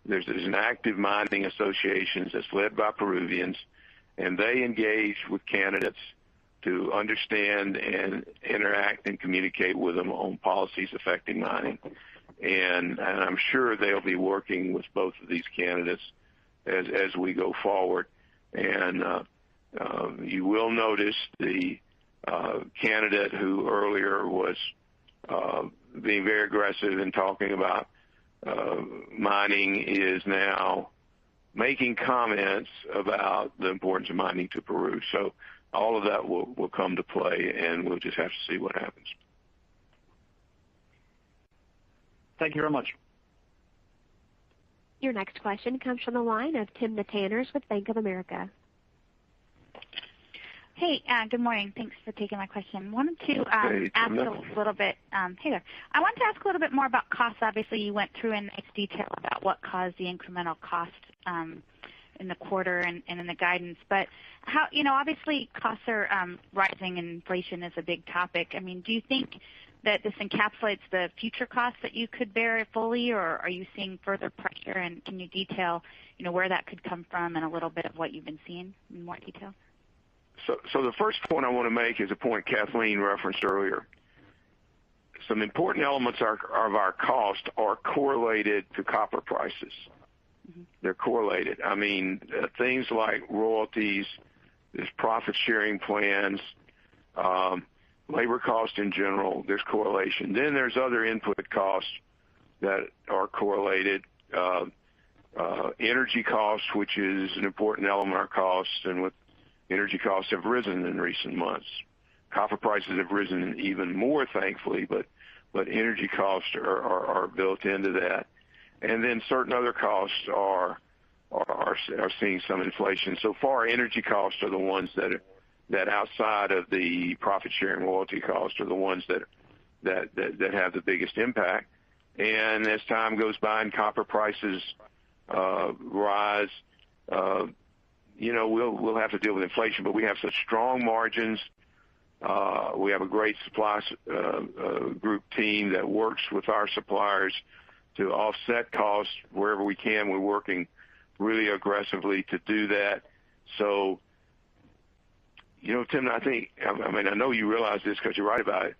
there's an active mining association that's led by Peruvians, and they engage with candidates to understand and interact and communicate with them on policies affecting mining. I'm sure they'll be working with both of these candidates as we go forward. You will notice the candidate who earlier was being very aggressive in talking about mining is now making comments about the importance of mining to Peru. All of that will come to play, and we'll just have to see what happens. Thank you very much. Your next question comes from the line of Timna Tanners with Bank of America. Hey. Good morning. Thanks for taking my question. Hey, Timna. Hey there. I wanted to ask a little bit more about costs. Obviously, you went through in nice detail about what caused the incremental cost in the quarter and in the guidance. Obviously costs are rising and inflation is a big topic. Do you think that this encapsulates the future costs that you could bear fully, or are you seeing further pressure, and can you detail where that could come from and a little bit of what you've been seeing in more detail? The first point I want to make is a point Kathleen referenced earlier. Some important elements of our cost are correlated to copper prices. They're correlated. Things like royalties, there's profit-sharing plans, labor cost in general, there's correlation. There's other input costs that are correlated. Energy costs, which is an important element of our costs, and energy costs have risen in recent months. copper prices have risen even more, thankfully, but energy costs are built into that. Certain other costs are seeing some inflation. So far, energy costs are the ones that, outside of the profit-sharing royalty cost, are the ones that have the biggest impact. As time goes by and copper prices rise, we'll have to deal with inflation. We have such strong margins. We have a great group team that works with our suppliers to offset costs wherever we can. We're working really aggressively to do that. Timna, I know you realize this because you write about it,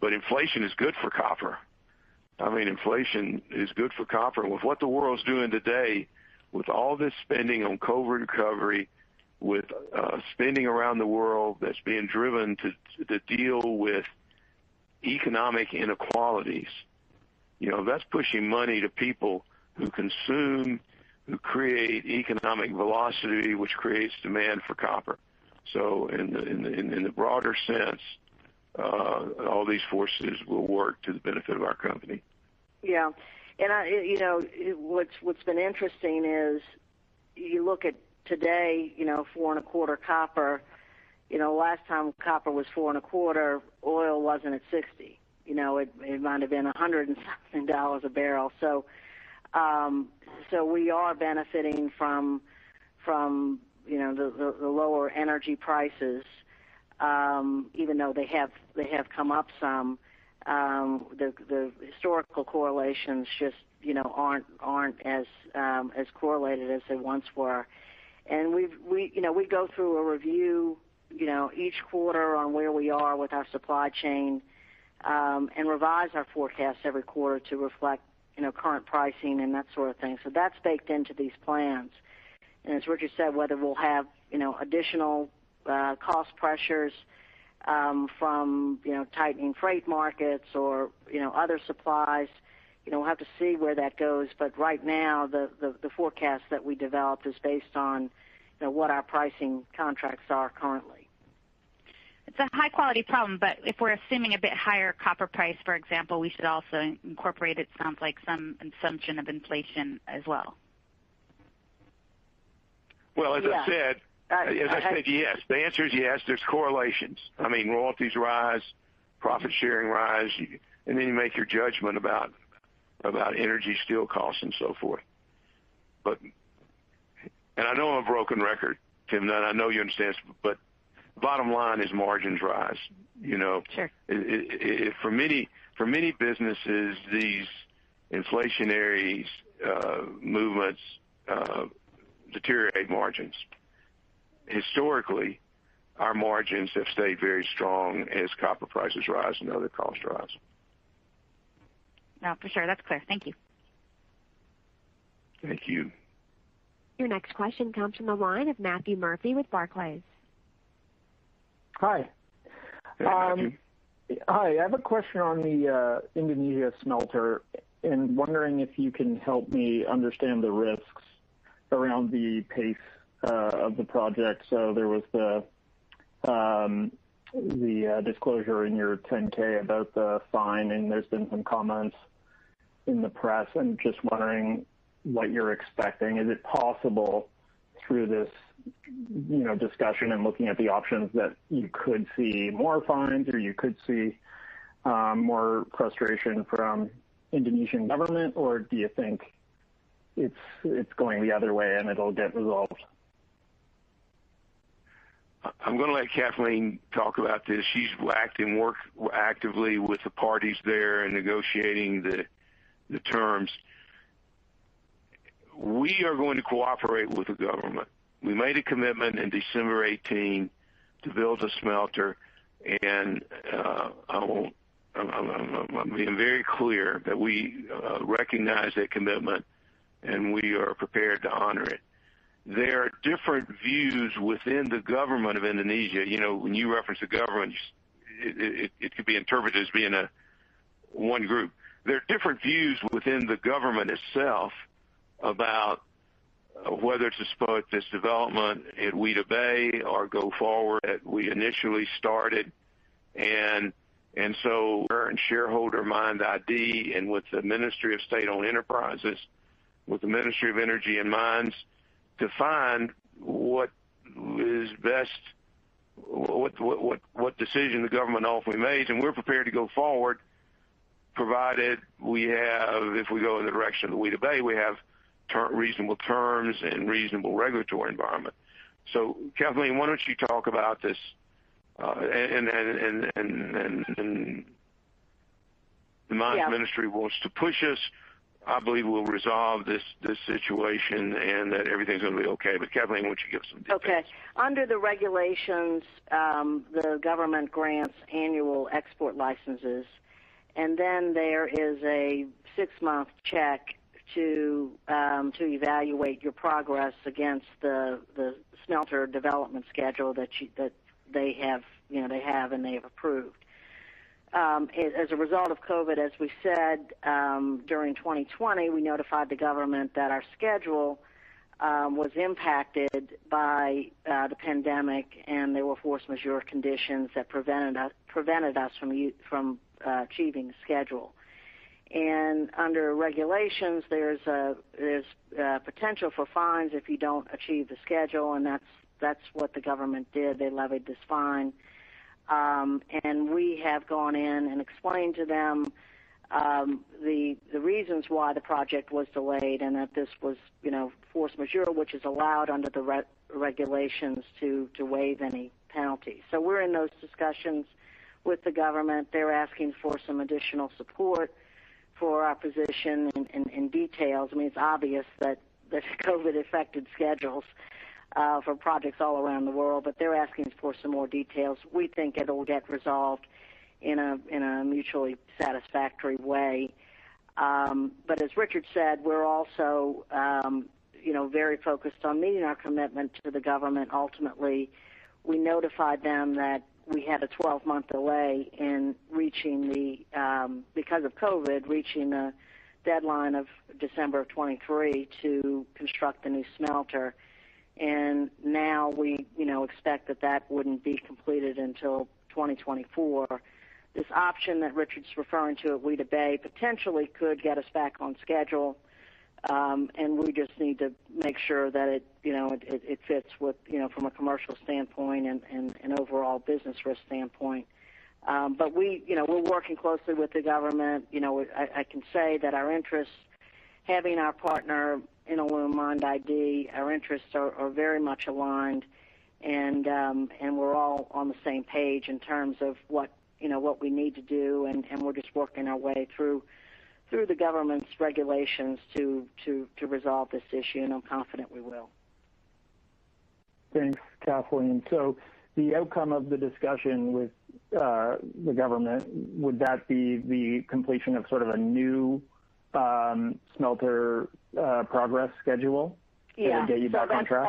but inflation is good for copper. Inflation is good for copper. With what the world's doing today, with all this spending on COVID recovery, with spending around the world that's being driven to deal with economic inequalities, that's pushing money to people who consume, who create economic velocity, which creates demand for copper. In the broader sense, all these forces will work to the benefit of our company. Yeah. What's been interesting is you look at today, $4.25 copper. Last time copper was $4.25, oil wasn't at $60. It might've been $107 a barrel. We are benefiting from the lower energy prices, even though they have come up some. The historical correlations just aren't as correlated as they once were. We go through a review each quarter on where we are with our supply chain, and revise our forecasts every quarter to reflect current pricing and that sort of thing. That's baked into these plans. As Richard said, whether we'll have additional cost pressures from tightening freight markets or other supplies, we'll have to see where that goes. Right now, the forecast that we developed is based on what our pricing contracts are currently. It's a high-quality problem, but if we're assuming a bit higher copper price, for example, we should also incorporate, it sounds like, some assumption of inflation as well. Well, as I said. Yeah. As I said, yes. The answer is yes, there's correlations. Royalties rise, profit-sharing rise, and then you make your judgment about energy, steel costs, and so forth. I know I'm a broken record, Timna, and I know you understand this, but bottom line is margins rise. Sure. For many businesses, these inflationary movements deteriorate margins. Historically, our margins have stayed very strong as copper prices rise and other costs rise. No, for sure. That's clear. Thank you. Thank you. Your next question comes from the line of Matthew Murphy with Barclays. Hi. Hi. I have a question on the Indonesia smelter, wondering if you can help me understand the risks around the pace of the project. There was the disclosure in your 10-K about the fine, there's been some comments in the press. I'm just wondering what you're expecting. Is it possible through this discussion and looking at the options that you could see more fines, or you could see more frustration from Indonesian government, or do you think it's going the other way, it'll get resolved? I'm going to let Kathleen talk about this. She's worked actively with the parties there in negotiating the terms. We are going to cooperate with the government. We made a commitment in December 2018 to build a smelter, and I'm being very clear that we recognize that commitment, and we are prepared to honor it. There are different views within the government of Indonesia. When you reference the government, it could be interpreted as being one group. There are different views within the government itself about whether to support this development at Weda Bay or go forward as we initially started. current shareholder MIND ID and with the Ministry of State-Owned Enterprises, with the Ministry of Energy and Mines, to find what decision the government ultimately makes. We're prepared to go forward, provided we have, if we go in the direction of Weda Bay, we have reasonable terms and reasonable regulatory environment. Kathleen, why don't you talk about this? Yeah. Mines Ministry wants to push us. I believe we'll resolve this situation and that everything's going to be okay. Kathleen, why don't you give some details? Okay. Under the regulations, the government grants annual export licenses, and then there is a six-month check to evaluate your progress against the smelter development schedule that they have, and they have approved. As a result of COVID, as we said, during 2020, we notified the government that our schedule was impacted by the pandemic, and there were force majeure conditions that prevented us from achieving the schedule. Under regulations, there's potential for fines if you don't achieve the schedule. That's what the government did. They levied this fine. We have gone in and explained to them the reasons why the project was delayed and that this was force majeure, which is allowed under the regulations to waive any penalty. We're in those discussions with the government. They're asking for some additional support for our position and details. It's obvious that COVID affected schedules for projects all around the world, but they're asking for some more details. We think it'll get resolved in a mutually satisfactory way. As Richard said, we're also very focused on meeting our commitment to the government. Ultimately, we notified them that we had a 12-month delay in reaching the, because of COVID, reaching the deadline of December of 2023 to construct the new smelter. Now we expect that that wouldn't be completed until 2024. This option that Richard's referring to at Weda Bay potentially could get us back on schedule. We just need to make sure that it fits from a commercial standpoint and an overall business risk standpoint. We're working closely with the government. I can say that our interests, having our partner in MIND ID, our interests are very much aligned and we're all on the same page in terms of what we need to do, and we're just working our way through the government's regulations to resolve this issue, and I'm confident we will. Thanks, Kathleen. The outcome of the discussion with the government, would that be the completion of sort of a new smelter progress schedule? Yeah. That would get you back on track?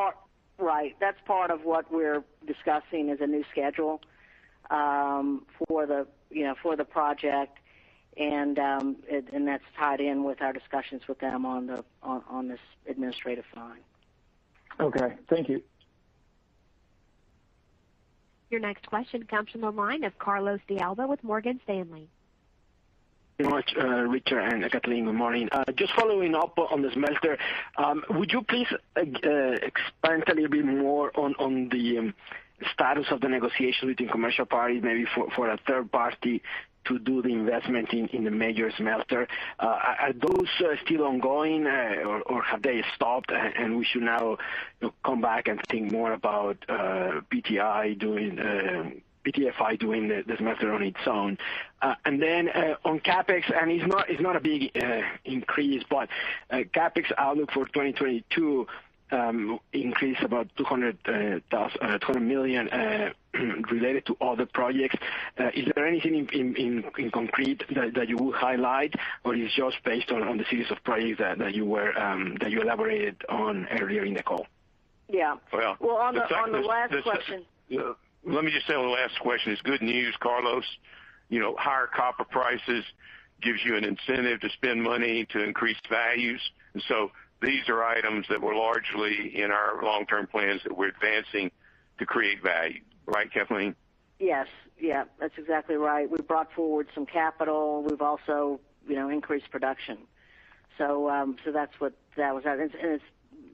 Right. That's part of what we're discussing is a new schedule for the project, and that's tied in with our discussions with them on this administrative fine. Okay. Thank you. Your next question comes from the line of Carlos De Alba with Morgan Stanley. Thank you much, Richard and Kathleen. Good morning. Just following up on the smelter. Would you please expand a little bit more on the status of the negotiation between commercial parties, maybe for a third party to do the investment in the major smelter? Are those still ongoing, or have they stopped, and we should now come back and think more about PTFI doing the smelter on its own? On CapEx, and it's not a big increase, but CapEx outlook for 2022 increased about $200 million related to all the projects. Is there anything in concrete that you would highlight, or is it just based on the series of projects that you elaborated on earlier in the call? Yeah. Well. Well, on the last question. Let me just say on the last question, it's good news, Carlos. Higher copper prices gives you an incentive to spend money to increase values. These are items that were largely in our long-term plans that we're advancing to create value. Right, Kathleen? Yes. That's exactly right. We've brought forward some capital. We've also increased production. That's what that was. It's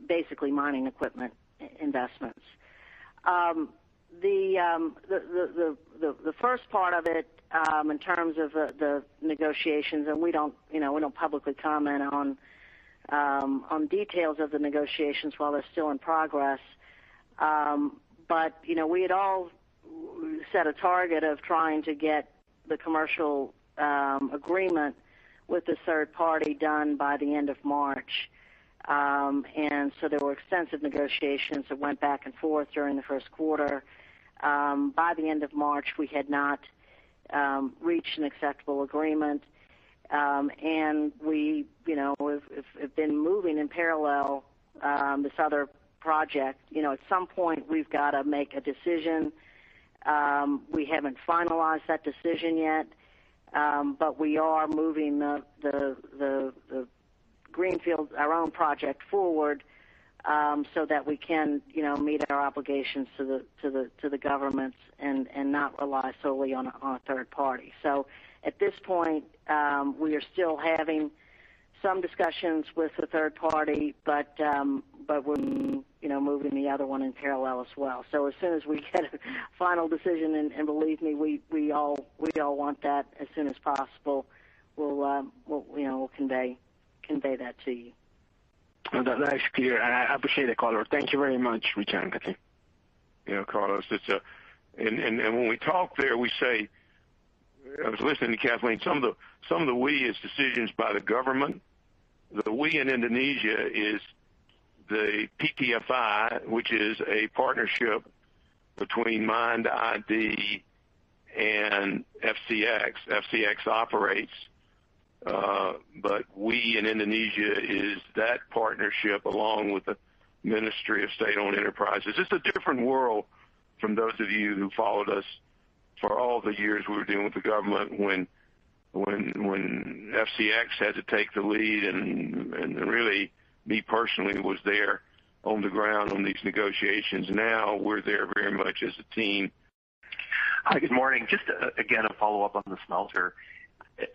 basically mining equipment investments. The first part of it, in terms of the negotiations, and we don't publicly comment on details of the negotiations while they're still in progress. We had all set a target of trying to get the commercial agreement with this third party done by the end of March. There were extensive negotiations that went back and forth during the first quarter. By the end of March, we had not reached an acceptable agreement. We've been moving in parallel, this other project. At some point, we've got to make a decision. We haven't finalized that decision yet, but we are moving the greenfield, our own project forward, so that we can meet our obligations to the governments and not rely solely on a third party. At this point, we are still having some discussions with the third party, but we're moving the other one in parallel as well. As soon as we get a final decision, and believe me, we all want that as soon as possible, we'll convey that to you. That's nice, clear, and I appreciate the color. Thank you very much. Richard and Kathleen. Carlos, when we talk there, we say, I was listening to Kathleen, some of the we is decisions by the government. The we in Indonesia is the PTFI, which is a partnership between MIND ID and FCX. FCX operates. We in Indonesia is that partnership along with the Ministry of State-Owned Enterprises. It's a different world from those of you who followed us for all the years we were dealing with the government when FCX had to take the lead and really, me personally, was there on the ground on these negotiations. Now we're there very much as a team. Hi, good morning. Just again, a follow-up on the smelter.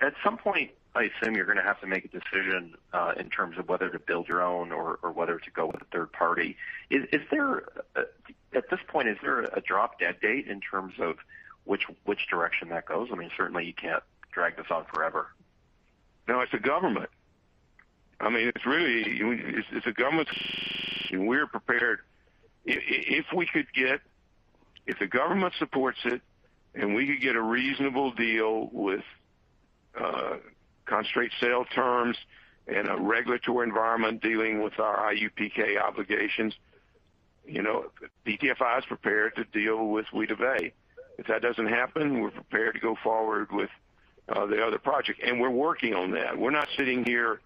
At some point, I assume you're going to have to make a decision, in terms of whether to build your own or whether to go with a third party. At this point, is there a drop-dead date in terms of which direction that goes? I mean, certainly you can't drag this on forever. No, it's the government. It's the government. We're prepared, if the government supports it and we could get a reasonable deal with concentrate sale terms and a regulatory environment dealing with our IUPK obligations, PTFI is prepared to deal with Weda Bay. If that doesn't happen, we're prepared to go forward with the other project. We're working on that. We're not sitting here,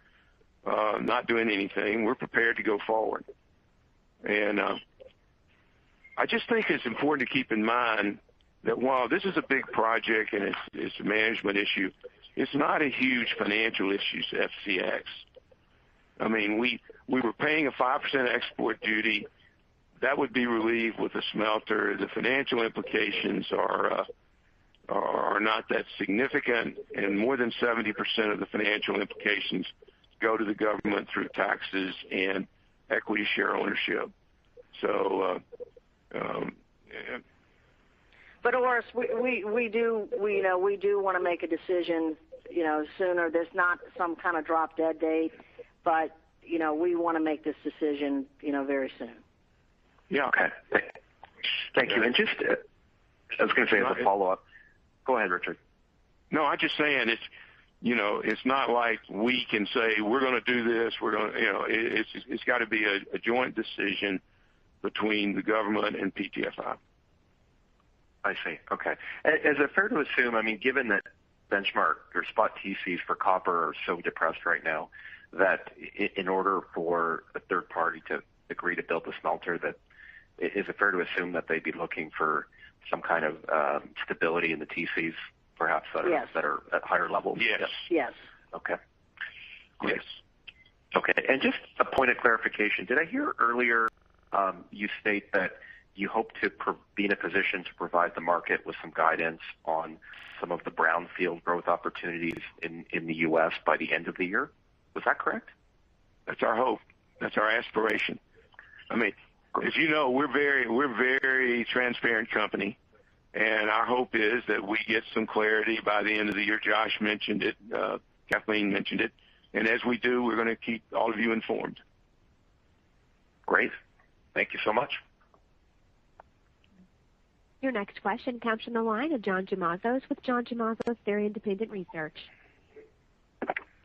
not doing anything. We're prepared to go forward. I just think it's important to keep in mind that while this is a big project and it's a management issue, it's not a huge financial issue to FCX. We were paying a 5% export duty that would be relieved with the smelter. The financial implications are not that significant, and more than 70% of the financial implications go to the government through taxes and equity share ownership. [Orest], we do want to make a decision sooner. There's not some kind of drop-dead date, but we want to make this decision very soon. Yeah. Okay. Thank you. Just, I was going to say as a follow-up. Go ahead, Richard. No, I'm just saying it's not like we can say, we're going to do this. It's got to be a joint decision between the government and PTFI. I see. Okay. Is it fair to assume, given that benchmark or spot TCs for copper are so depressed right now, that in order for a third party to agree to build the smelter, is it fair to assume that they'd be looking for some kind of stability in the TCs perhaps that are? Yes. At higher levels? Yes. Yes. Okay. Yes. Okay. Just a point of clarification. Did I hear earlier, you state that you hope to be in a position to provide the market with some guidance on some of the brownfield growth opportunities in the U.S. by the end of the year? Was that correct? That's our hope. That's our aspiration. As you know, we're a very transparent company, and our hope is that we get some clarity by the end of the year. Josh mentioned it. Kathleen mentioned it. As we do, we're going to keep all of you informed. Great. Thank you so much. Your next question comes from the line of John Tumazos with John Tumazos Very Independent Research.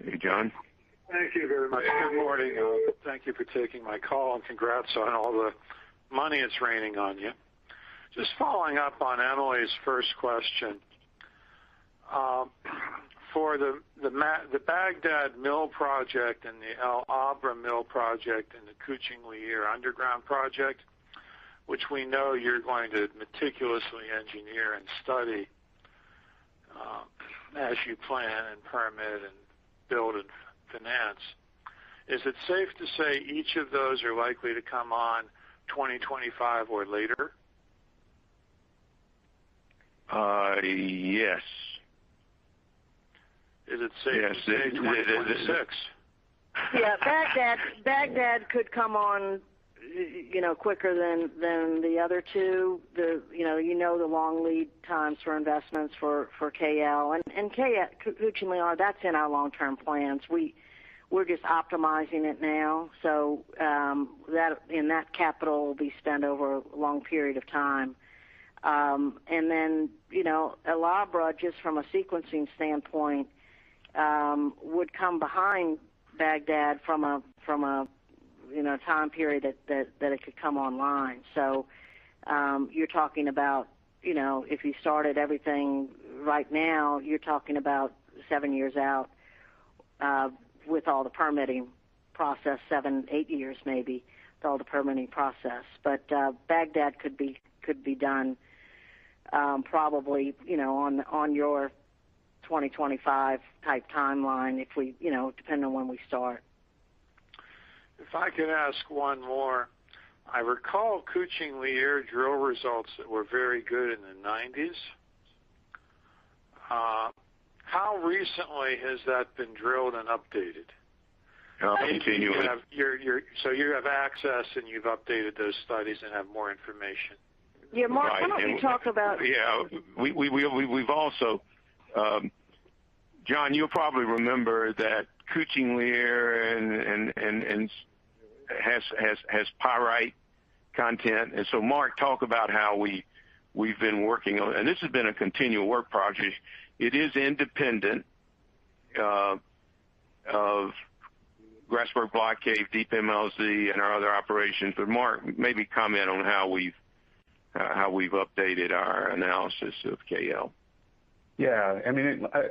Hey, John. Thank you very much. Good morning. Thank you for taking my call, and congrats on all the money that's raining on you. Just following up on Emily's first question. For the Bagdad Mill project and the El Abra Mill project and the Kucing Liar underground project, which we know you're going to meticulously engineer and study as you plan and permit and build and finance. Is it safe to say each of those are likely to come on 2025 or later? Yes. Is it safe to say 2026? Yeah. Bagdad could come on quicker than the other two. You know the long lead times for investments for KL. Kucing Liar, that's in our long-term plans. We're just optimizing it now. That capital will be spent over a long period of time. El Abra, just from a sequencing standpoint, would come behind Bagdad from a time period that it could come online. You're talking about, if you started everything right now, you're talking about seven years out, with all the permitting process, seven, eight years maybe, with all the permitting process. Bagdad could be done probably on your 2025 type timeline depending on when we start. If I could ask one more. I recall Kucing Liar drill results that were very good in the '90s. How recently has that been drilled and updated? Continuously. You have access and you've updated those studies and have more information. Yeah, Mark, why don't you talk about. We've also, John, you'll probably remember that Kucing Liar has pyrite content. Mark, talk about how we've been working on it. This has been a continual work project. It is independent of Grasberg Block Cave, Deep MLZ, and our other operations. Mark, maybe comment on how we've updated our analysis of KL. Yeah.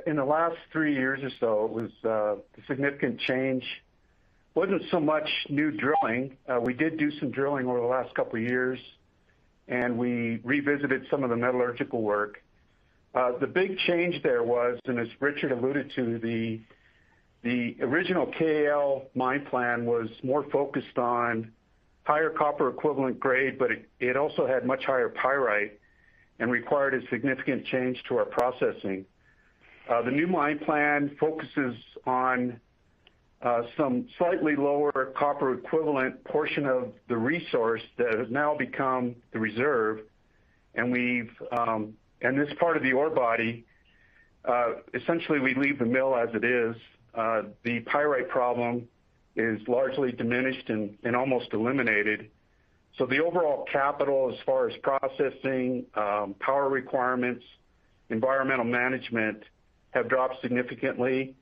In the last three years or so, it was a significant change. It wasn't so much new drilling. We did do some drilling over the last couple of years, and we revisited some of the metallurgical work. The big change there was, and as Richard alluded to, the original KL mine plan was more focused on higher copper equivalent grade, but it also had much higher pyrite and required a significant change to our processing. The new mine plan focuses on some slightly lower copper equivalent portion of the resource that has now become the reserve. This part of the ore body, essentially we leave the mill as it is. The pyrite problem is largely diminished and almost eliminated. The overall capital as far as processing, power requirements, environmental management, have dropped significantly.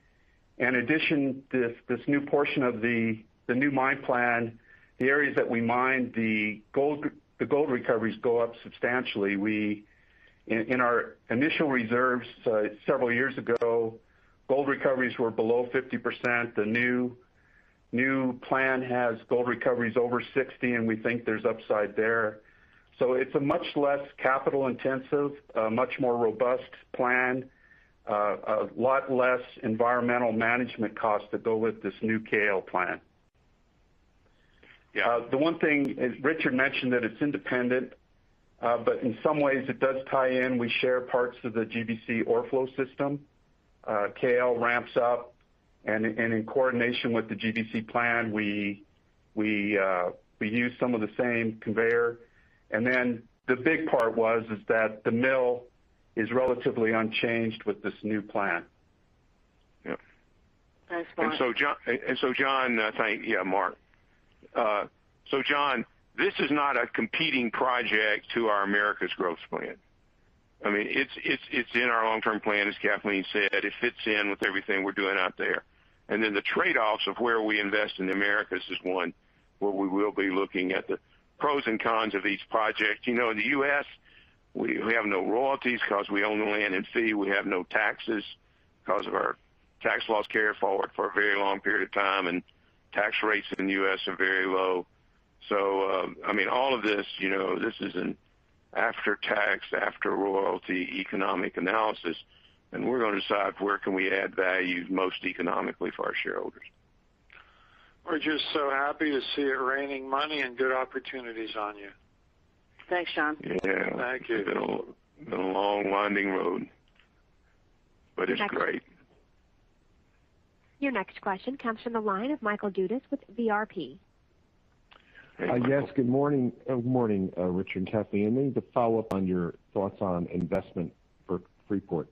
In addition, this new portion of the new mine plan, the areas that we mine, the gold recoveries go up substantially. In our initial reserves, several years ago, gold recoveries were below 50%. The new plan has gold recoveries over 60%, and we think there's upside there. It's a much less capital intensive, much more robust plan, a lot less environmental management costs that go with this new KL plan. Yeah. The one thing, as Richard mentioned, that it's independent, but in some ways it does tie in. We share parts of the GBC ore flow system. KL ramps up and in coordination with the GBC plan, we use some of the same conveyor. The big part was, is that the mill is relatively unchanged with this new plan. Yep. Thanks, Mark. John, thank you. Yeah, Mark. John, this is not a competing project to our Americas growth plan. It's in our long-term plan, as Kathleen said. It fits in with everything we're doing out there. The trade-offs of where we invest in the Americas is one where we will be looking at the pros and cons of each project. In the U.S., we have no royalties because we own the land in fee. We have no taxes because of our tax laws carried forward for a very long period of time, and tax rates in the U.S. are very low. All of this is an after-tax, after-royalty economic analysis, and we're going to decide where can we add value most economically for our shareholders. We're just so happy to see it raining money and good opportunities on you. Thanks, John. Thank you. It's been a long, winding road, but it's great. Your next question comes from the line of Michael Dudas with VRP. Yes, good morning. Good morning, Richard and Kathleen. I need to follow up on your thoughts on investment for Freeport.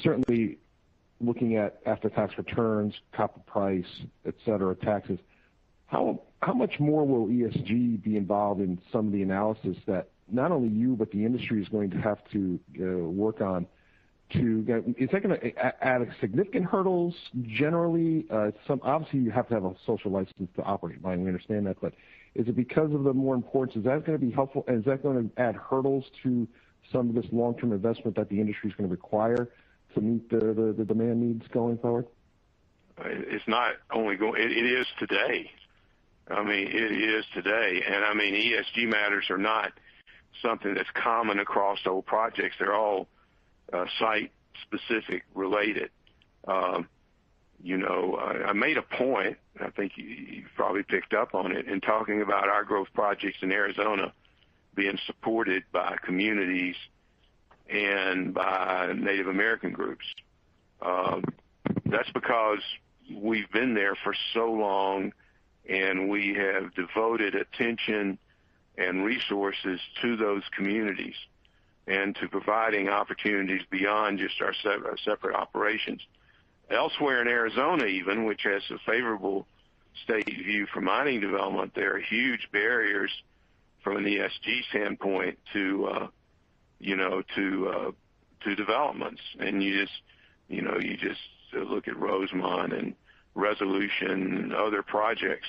Certainly looking at after-tax returns, copper price, et cetera, taxes, how much more will ESG be involved in some of the analysis that not only you, but the industry is going to have to work on to get Is that going to add significant hurdles generally? Obviously, you have to have a social license to operate, and we understand that, but is it because of the more importance, is that going to be helpful, and is that going to add hurdles to some of this long-term investment that the industry is going to require to meet the demand needs going forward? It is today. ESG matters are not something that's common across all projects. They're all site specific related. I made a point, and I think you probably picked up on it, in talking about our growth projects in Arizona being supported by communities and by Native American groups. That's because we've been there for so long, and we have devoted attention and resources to those communities and to providing opportunities beyond just our separate operations. Elsewhere in Arizona even, which has a favorable state view for mining development, there are huge barriers from an ESG standpoint to developments. You just look at Rosemont and Resolution and other projects.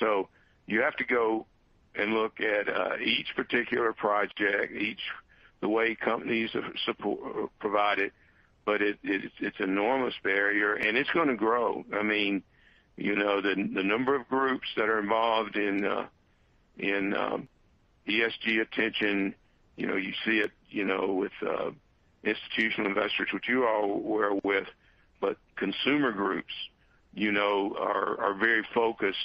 You have to go and look at each particular project, the way companies provide it, but it's an enormous barrier, and it's going to grow. The number of groups that are involved in ESG attention, you see it with institutional investors, which you all were with, but consumer groups are very focused.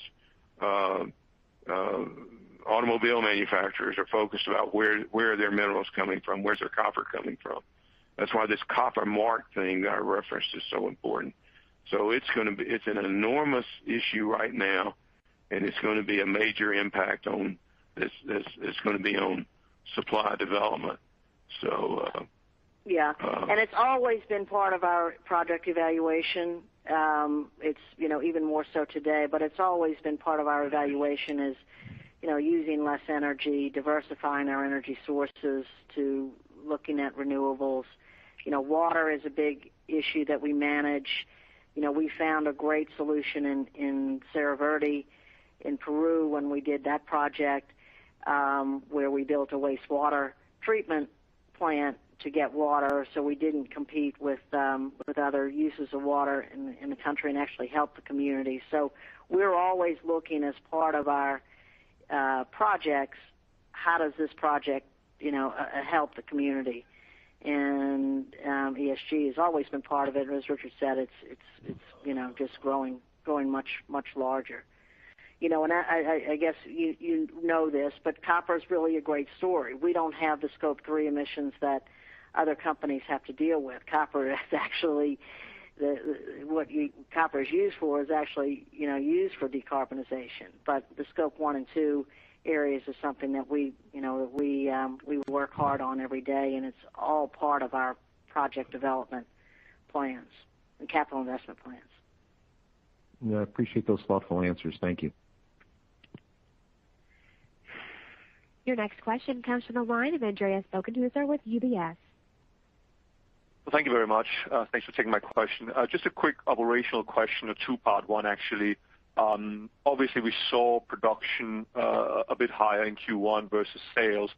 Automobile manufacturers are focused about where their minerals coming from, where's their copper coming from. That's why this Copper Mark thing that I referenced is so important. It's an enormous issue right now. It's going to be a major impact on supply development. Yeah. It's always been part of our project evaluation. It's even more so today, but it's always been part of our evaluation is using less energy, diversifying our energy sources to looking at renewables. Water is a big issue that we manage. We found a great solution in Cerro Verde in Peru when we did that project, where we built a wastewater treatment plant to get water, so we didn't compete with other uses of water in the country and actually help the community. We're always looking as part of our projects, how does this project help the community? ESG has always been part of it, and as Richard said, it's just growing much larger. I guess you know this, but copper's really a great story. We don't have the Scope 3 emissions that other companies have to deal with. What copper is used for is actually used for decarbonization. The Scope 1 and 2 areas is something that we work hard on every day, and it's all part of our project development plans and capital investment plans. Yeah, I appreciate those thoughtful answers. Thank you. Your next question comes from the line of Andreas Bokkenheuser with UBS. Well, thank you very much. Thanks for taking my question. Just a quick operational question, a two-part one, actually. Obviously, we saw production a bit higher in Q1 versus sales.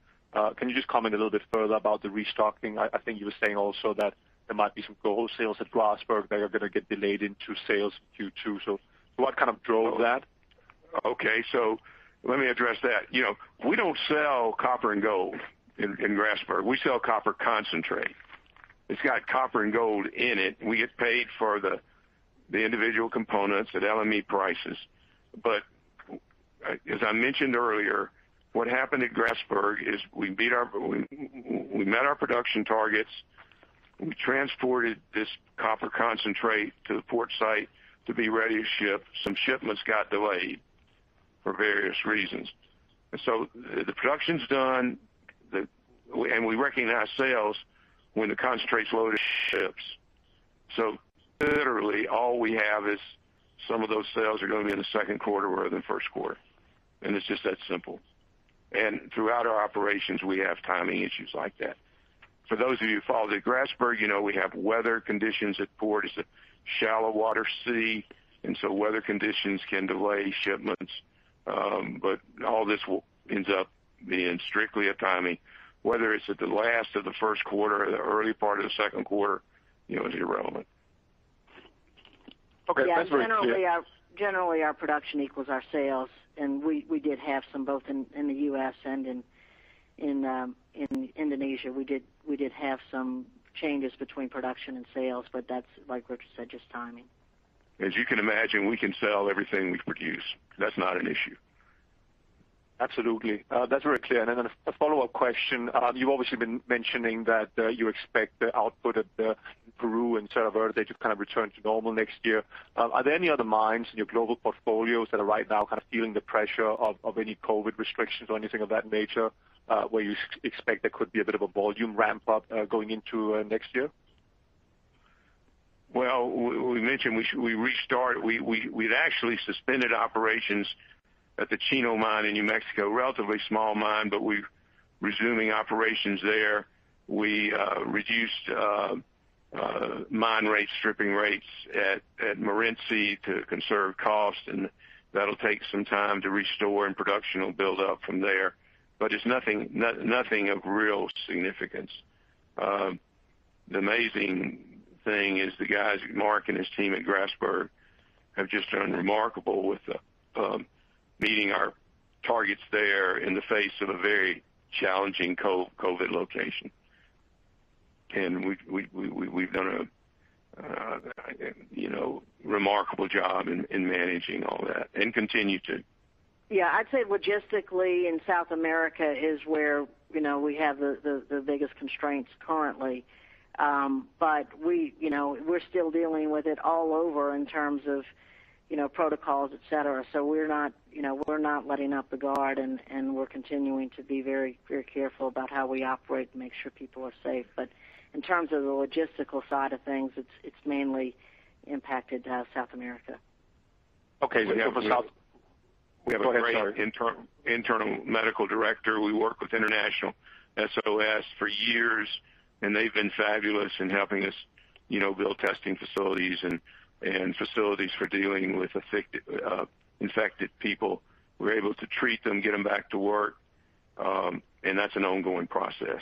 Can you just comment a little bit further about the restocking? I think you were saying also that there might be some gold sales at Grasberg that are going to get delayed into sales in Q2. What kind of drove that? Okay. Let me address that. We don't sell copper and gold in Grasberg. We sell copper concentrate. It's got copper and gold in it. We get paid for the individual components at LME prices. As I mentioned earlier, what happened at Grasberg is we met our production targets. We transported this copper concentrate to the port site to be ready to ship. Some shipments got delayed for various reasons. The production's done, and we recognize sales when the concentrate's loaded ships. Literally all we have is some of those sales are going to be in the second quarter rather than first quarter, and it's just that simple. Throughout our operations, we have timing issues like that. For those of you who follow the Grasberg, you know we have weather conditions at port. It's a shallow water sea, weather conditions can delay shipments. All this ends up being strictly a timing, whether it's at the last of the first quarter or the early part of the second quarter, it's irrelevant. Okay. That's very clear. Yeah, generally our production equals our sales, and we did have some both in the U.S. and in Indonesia. We did have some changes between production and sales, but that's, like Richard said, just timing. As you can imagine, we can sell everything we produce. That's not an issue. Absolutely. That's very clear. A follow-up question. You've obviously been mentioning that you expect the output at Peru and Cerro Verde to kind of return to normal next year. Are there any other mines in your global portfolios that are right now kind of feeling the pressure of any COVID restrictions or anything of that nature, where you expect there could be a bit of a volume ramp-up going into next year? Well, we mentioned we'd actually suspended operations at the Chino mine in New Mexico, relatively small mine, but we're resuming operations there. We reduced mine rates, stripping rates at Morenci to conserve cost, and that'll take some time to restore and production will build up from there. It's nothing of real significance. The amazing thing is the guys, Mark and his team at Grasberg, have just done remarkable with meeting our targets there in the face of a very challenging COVID location. We've done a remarkable job in managing all that and continue to. Yeah. I'd say logistically in South America is where we have the biggest constraints currently. We're still dealing with it all over in terms of protocols, et cetera. We're not letting up the guard, and we're continuing to be very careful about how we operate to make sure people are safe. In terms of the logistical side of things, it's mainly impacted South America. Okay. We have a great internal medical director. We work with International SOS for years, and they've been fabulous in helping us build testing facilities and facilities for dealing with infected people. We're able to treat them, get them back to work. That's an ongoing process.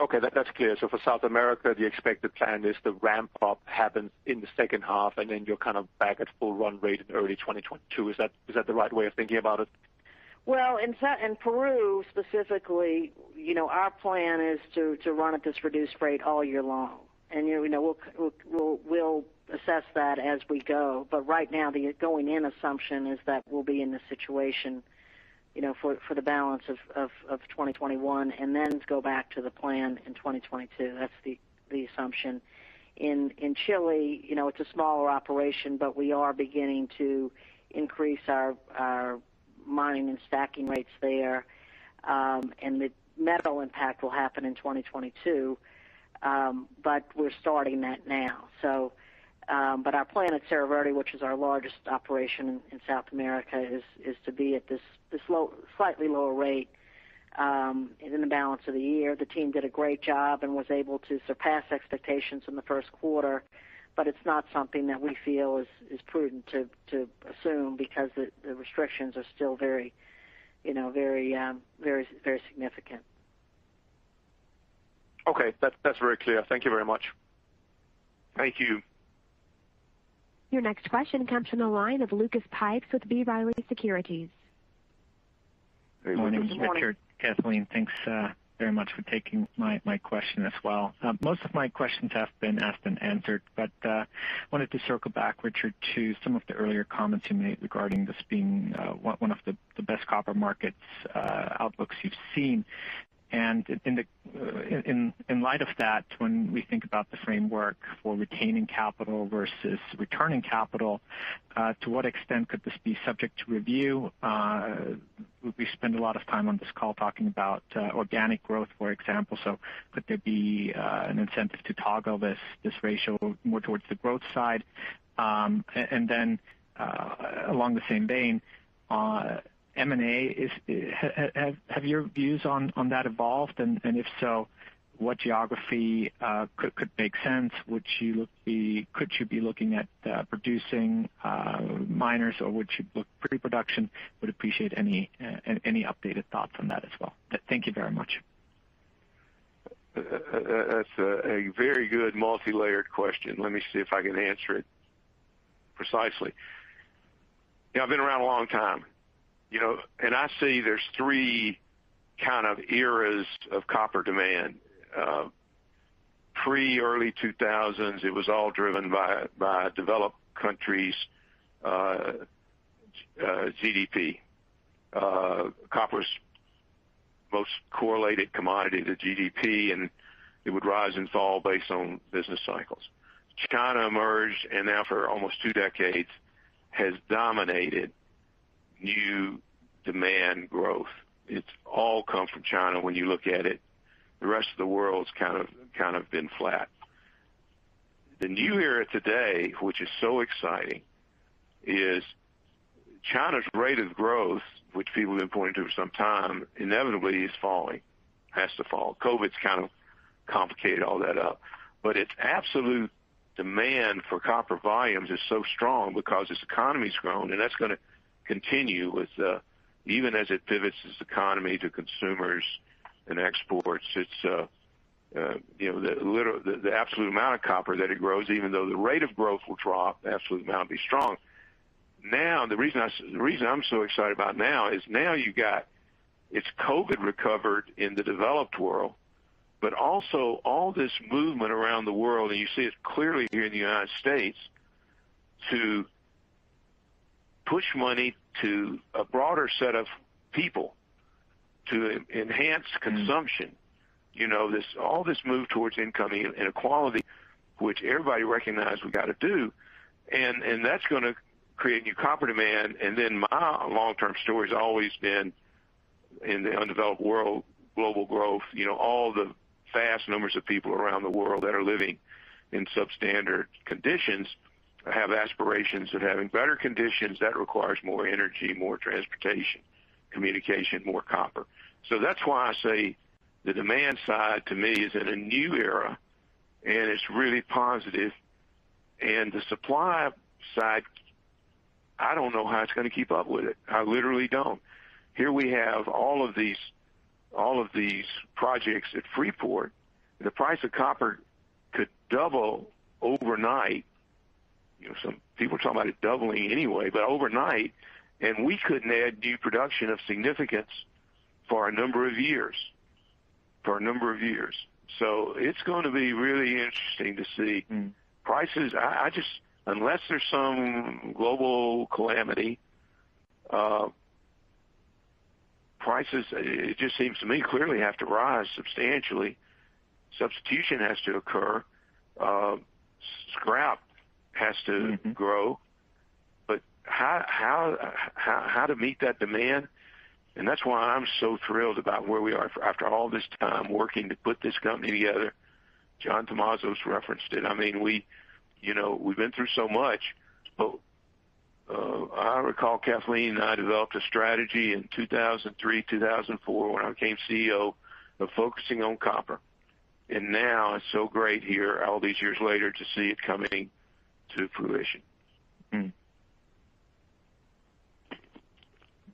Okay. That's clear. For South America, the expected plan is the ramp-up happens in the second half, and then you're kind of back at full run rate in early 2022. Is that the right way of thinking about it? Well, in Peru specifically, our plan is to run at this reduced rate all year long, and we'll assess that as we go. Right now, the going-in assumption is that we'll be in this situation for the balance of 2021 and then go back to the plan in 2022. That's the assumption. In Chile, it's a smaller operation, but we are beginning to increase our mining and stacking rates there. The metal impact will happen in 2022, but we're starting that now. Our plan at Cerro Verde, which is our largest operation in South America, is to be at this slightly lower rate in the balance of the year. The team did a great job and was able to surpass expectations in the first quarter, but it's not something that we feel is prudent to assume because the restrictions are still very significant. Okay. That's very clear. Thank you very much. Thank you. Your next question comes from the line of Lucas Pipes with B. Riley Securities. Good morning. Richard. Kathleen, thanks very much for taking my question as well. Most of my questions have been asked and answered, wanted to circle back, Richard, to some of the earlier comments you made regarding this being one of the best copper markets outlooks you've seen. In light of that, when we think about the framework for retaining capital versus returning capital, to what extent could this be subject to review? We spend a lot of time on this call talking about organic growth, for example. Could there be an incentive to toggle this ratio more towards the growth side? Along the same vein, M&A, have your views on that evolved? If so, what geography could make sense? Could you be looking at producing miners or would you look pre-production? Would appreciate any updated thoughts on that as well. Thank you very much. That's a very good multilayered question. Let me see if I can answer it precisely. I've been around a long time, and I see there's three kind of eras of copper demand. Pre early 2000s, it was all driven by developed countries' GDP. Copper's most correlated commodity to GDP, and it would rise and fall based on business cycles. China emerged, and now for almost two decades, has dominated new demand growth. It's all come from China when you look at it. The rest of the world's kind of been flat. The new era today, which is so exciting, is China's rate of growth, which people have been pointing to for some time, inevitably is falling, has to fall. COVID's kind of complicated all that up. Its absolute demand for copper volumes is so strong because its economy's grown, and that's going to continue with, even as it pivots its economy to consumers and exports. The absolute amount of copper that it grows, even though the rate of growth will drop, the absolute amount will be strong. Now, the reason I'm so excited about now is now you got, it's COVID recovered in the developed world, but also all this movement around the world, and you see it clearly here in the United States, to push money to a broader set of people to enhance consumption. All this move towards income inequality, which everybody recognized we got to do, and that's going to create new copper demand. Then my long-term story's always been in the undeveloped world, global growth. All the vast numbers of people around the world that are living in substandard conditions have aspirations of having better conditions. That requires more energy, more transportation, communication, more copper. That's why I say the demand side to me is in a new era, and it's really positive. The supply side, I don't know how it's going to keep up with it. I literally don't. Here we have all of these projects at Freeport. The price of copper could double overnight. Some people are talking about it doubling anyway, but overnight, and we couldn't add new production of significance for a number of years. It's going to be really interesting to see. Prices, unless there's some global calamity, prices, it just seems to me, clearly have to rise substantially. Substitution has to occur. Scrap has to grow. How to meet that demand? That's why I'm so thrilled about where we are after all this time working to put this company together. John Tumazos referenced it. We've been through so much, but I recall Kathleen and I developed a strategy in 2003, 2004, when I became CEO, of focusing on copper. Now it's so great here all these years later to see it coming to fruition.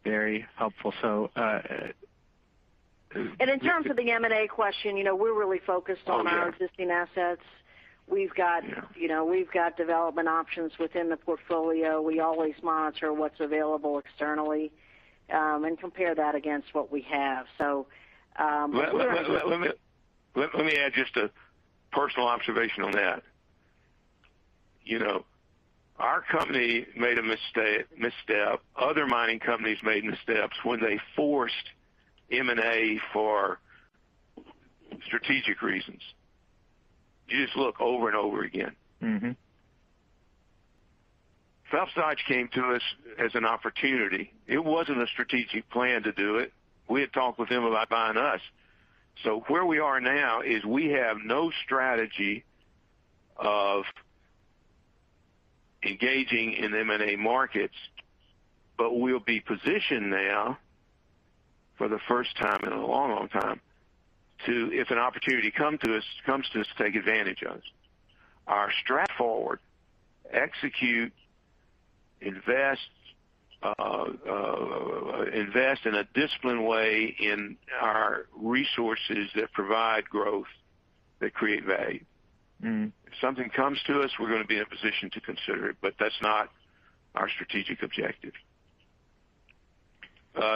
Very helpful. In terms of the M&A question, we're really focused on. Oh, yeah. Our existing assets. We've got development options within the portfolio. We always monitor what's available externally, and compare that against what we have. Let me add just a personal observation on that. Our company made a misstep. Other mining companies made missteps when they forced M&A for strategic reasons. You just look over and over again. Phelps Dodge came to us as an opportunity. It wasn't a strategic plan to do it. We had talked with them about buying us. Where we are now is we have no strategy of engaging in M&A markets, but we'll be positioned now for the first time in a long time, to, if an opportunity comes to us, take advantage of it. Our strategy going forward, execute, invest in a disciplined way in our resources that provide growth, that create value. If something comes to us, we're going to be in a position to consider it, but that's not our strategic objective.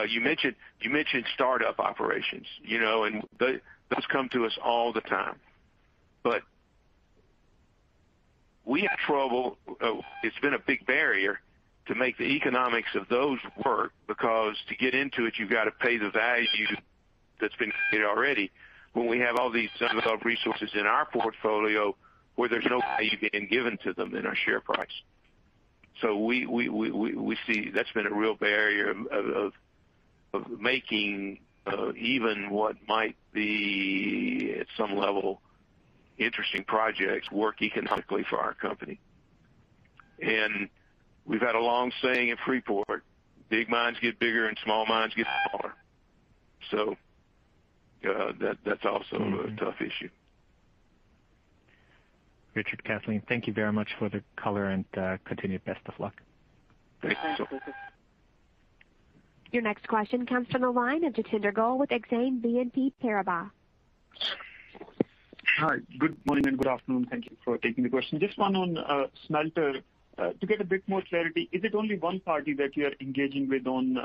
You mentioned startup operations, and those come to us all the time. We have trouble, it's been a big barrier to make the economics of those work, because to get into it, you've got to pay the value that's been created already. When we have all these tons of resources in our portfolio where there's no value being given to them in our share price. We see that's been a real barrier of making even what might be, at some level, interesting projects, work economically for our company. We've had a long saying at Freeport, big mines get bigger and small mines get smaller. That's also a tough issue. Richard, Kathleen, thank you very much for the color and continued best of luck. Thank you. Your next question comes from the line of Jatinder Goel with Exane BNP Paribas. Hi. Good morning and good afternoon. Thank you for taking the question. Just one on smelter. To get a bit more clarity, is it only one party that you're engaging with on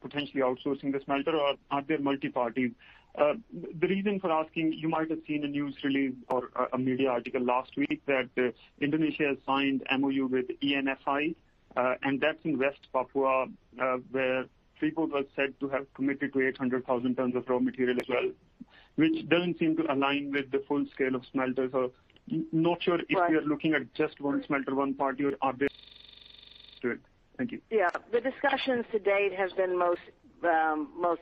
potentially outsourcing the smelter, or are there multi parties? The reason for asking, you might have seen a news release or a media article last week that Indonesia has signed MoU with ENFI, and that's in West Papua, where Freeport was said to have committed to 800,000 tons of raw material as well, which doesn't seem to align with the full scale of smelters. Not sure if you're looking at just one smelter, one party, or are there to it. Thank you. Yeah. The discussions to date have been most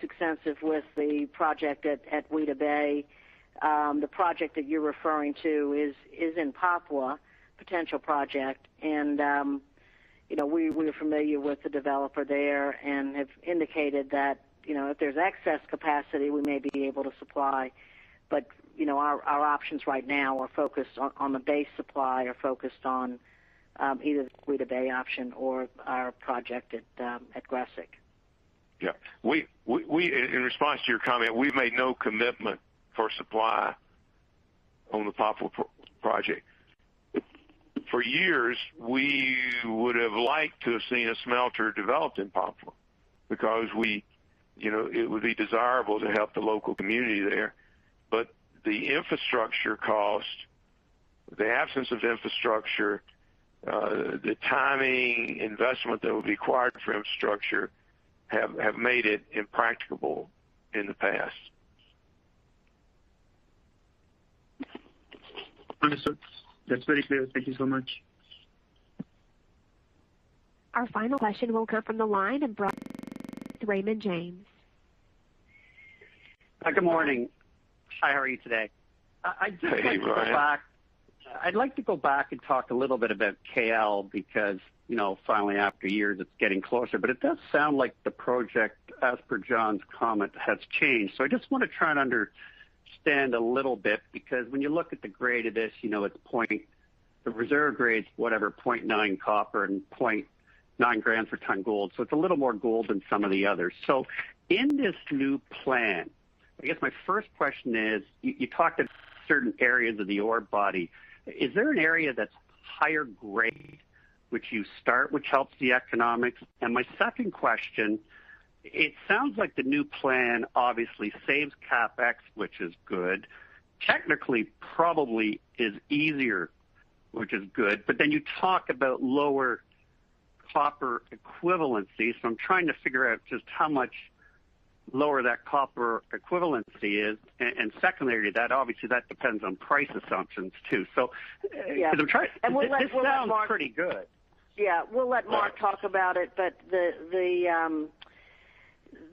extensive with the project at Weda Bay. The project that you're referring to is in Papua, potential project, we're familiar with the developer there and have indicated that if there's excess capacity, we may be able to supply. Our options right now are focused on the base supply, are focused on either the Weda Bay option or our project at Grasberg. Yeah. In response to your comment, we've made no commitment for supply on the Papua project. For years, we would have liked to have seen a smelter developed in Papua because it would be desirable to help the local community there, but the infrastructure cost, the absence of infrastructure, the timing, investment that would be required for infrastructure have made it impracticable in the past. Understood. That's very clear. Thank you so much. Our final question will come from the line of Brian with Raymond James. Good morning. Hi, how are you today? Hey, Brian. I'd like to go back and talk a little bit about KL because, finally, after years, it's getting closer, but it does sound like the project, as per John's comment, has changed. I just want to try and understand a little bit, because when you look at the grade of this, the reserve grade's 0.9 copper and 0.9 grams per ton gold. It's a little more gold than some of the others. In this new plan, I guess my first question is, you talked of certain areas of the ore body. Is there an area that's higher grade which you start, which helps the economics? My second question, it sounds like the new plan obviously saves CapEx, which is good. Technically, probably is easier, which is good, but then you talk about lower copper equivalency, so I'm trying to figure out just how much lower that copper equivalency is. Secondarily to that, obviously, that depends on price assumptions too. Yeah. Because I'm trying. We'll let Mark. This sounds pretty good. Yeah. We'll let Mark talk about it, but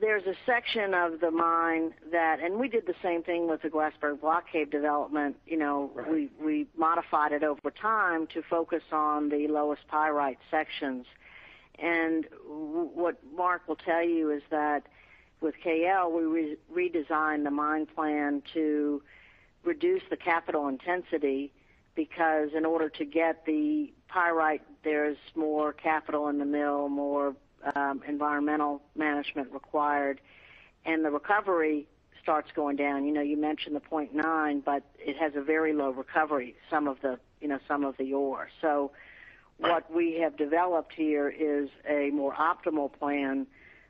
there's a section of the mine that, and we did the same thing with the Grasberg Block Cave development. Right. We modified it over time to focus on the lowest pyrite sections. What Mark will tell you is that with KL, we redesigned the mine plan to reduce the capital intensity, because in order to get the pyrite, there's more capital in the mill, more environmental management required, and the recovery starts going down. You mentioned the 0.9, but it has a very low recovery, some of the ore. What we have developed here is a more optimal plan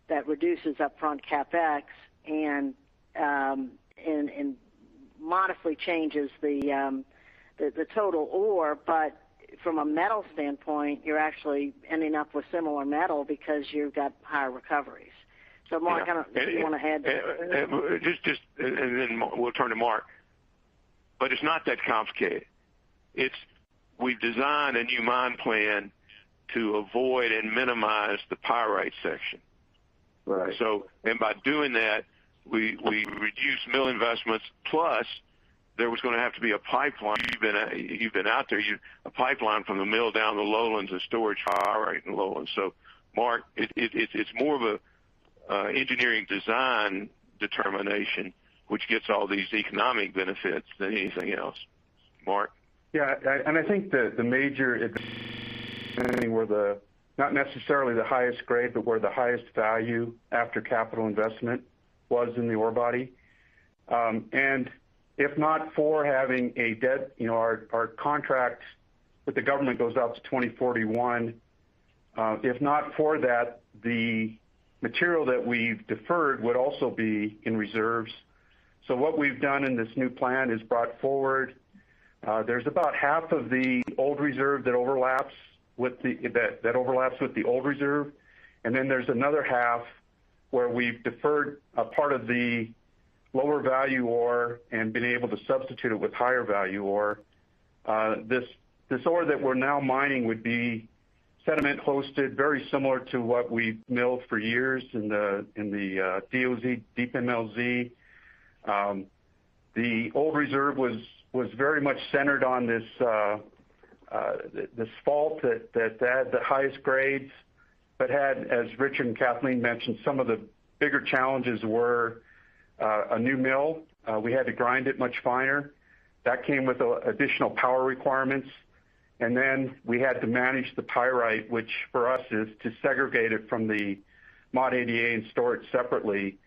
that reduces upfront CapEx and moderately changes the total ore. From a metal standpoint, you're actually ending up with similar metal because you've got higher recoveries. Mark, I don't know if you want to add. Just, we'll turn to Mark. It's not that complicated. We've designed a new mine plan to avoid and minimize the pyrite section. Right. By doing that, we reduce mill investments, plus there was going to have to be a pipeline. You've been out there, a pipeline from the mill down the lowlands, a storage pyrite in the lowlands. Mark, it's more of an engineering design determination, which gets all these economic benefits than anything else. Mark? Yeah. I think the major were the, not necessarily the highest grade, but were the highest value after capital investment was in the ore body. If not for having a debt, our contract with the government goes out to 2041. If not for that, the material that we've deferred would also be in reserves. What we've done in this new plan is brought forward, there's about half of the old reserve that overlaps with the old reserve. There's another half where we've deferred a part of the lower value ore and been able to substitute it with higher value ore. This ore that we're now mining would be sediment hosted, very similar to what we've milled for years in the DOZ, Deep MLZ. The old reserve was very much centered on this fault that had the highest grades, but had, as Richard and Kathleen mentioned, some of the bigger challenges were a new mill. We had to grind it much finer. That came with additional power requirements. We had to manage the pyrite, which for us is to segregate it from the ModADA and store it separately.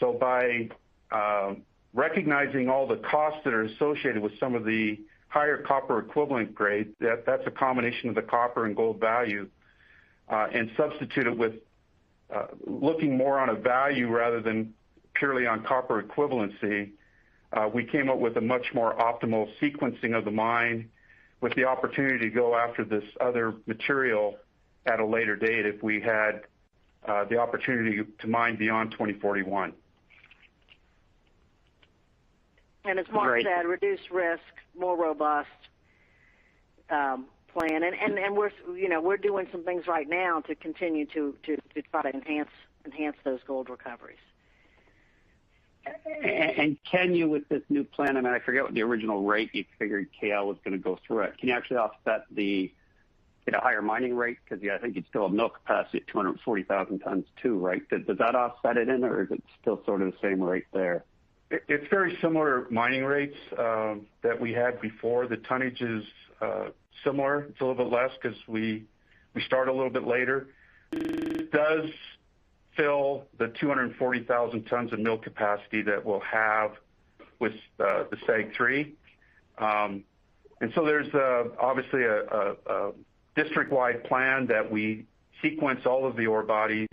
By recognizing all the costs that are associated with some of the higher copper equivalent grades, that's a combination of the copper and gold value, and substitute it with looking more on a value rather than purely on copper equivalency, we came up with a much more optimal sequencing of the mine with the opportunity to go after this other material at a later date if we had the opportunity to mine beyond 2041. As Mark said, reduce risk, more robust plan. We're doing some things right now to continue to try to enhance those gold recoveries. Can you, with this new plan, I forget what the original rate you figured KL was going to go through it. Can you actually offset, get a higher mining rate? I think you'd still have mill capacity at 240,000 tons, too, right? Does that offset it in, or is it still sort of the same rate there? It's very similar mining rates that we had before. The tonnage is similar. It's a little bit less because we start a little bit later. It does fill the 240,000 tons of mill capacity that we'll have with the SAG 3. There's obviously a district-wide plan that we sequence all of the ore bodies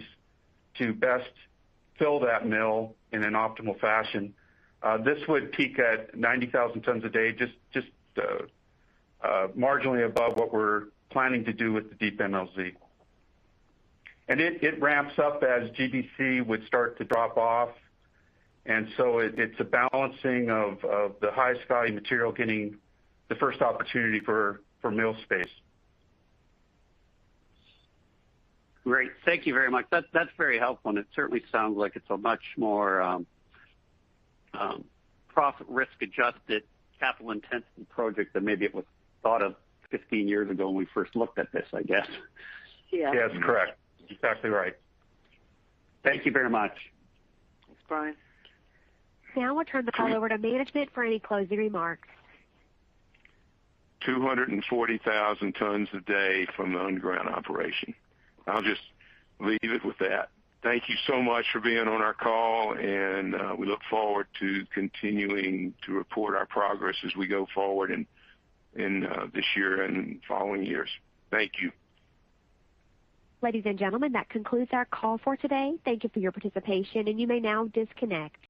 to best fill that mill in an optimal fashion. This would peak at 90,000 tons a day, just marginally above what we're planning to do with the Deep MLZ. It ramps up as GBC would start to drop off, and so it's a balancing of the highest value material getting the first opportunity for mill space. Great. Thank you very much. It certainly sounds like it's a much more profit risk-adjusted capital intensity project than maybe it was thought of 15 years ago when we first looked at this, I guess. Yes, correct. Exactly right. Thank you very much. Thanks, Brian. Now I'll turn the call over to management for any closing remarks. 240,000 tons a day from the underground operation. I'll just leave it with that. Thank you so much for being on our call, and we look forward to continuing to report our progress as we go forward in this year and following years. Thank you. Ladies and gentlemen, that concludes our call for today. Thank you for your participation. You may now disconnect.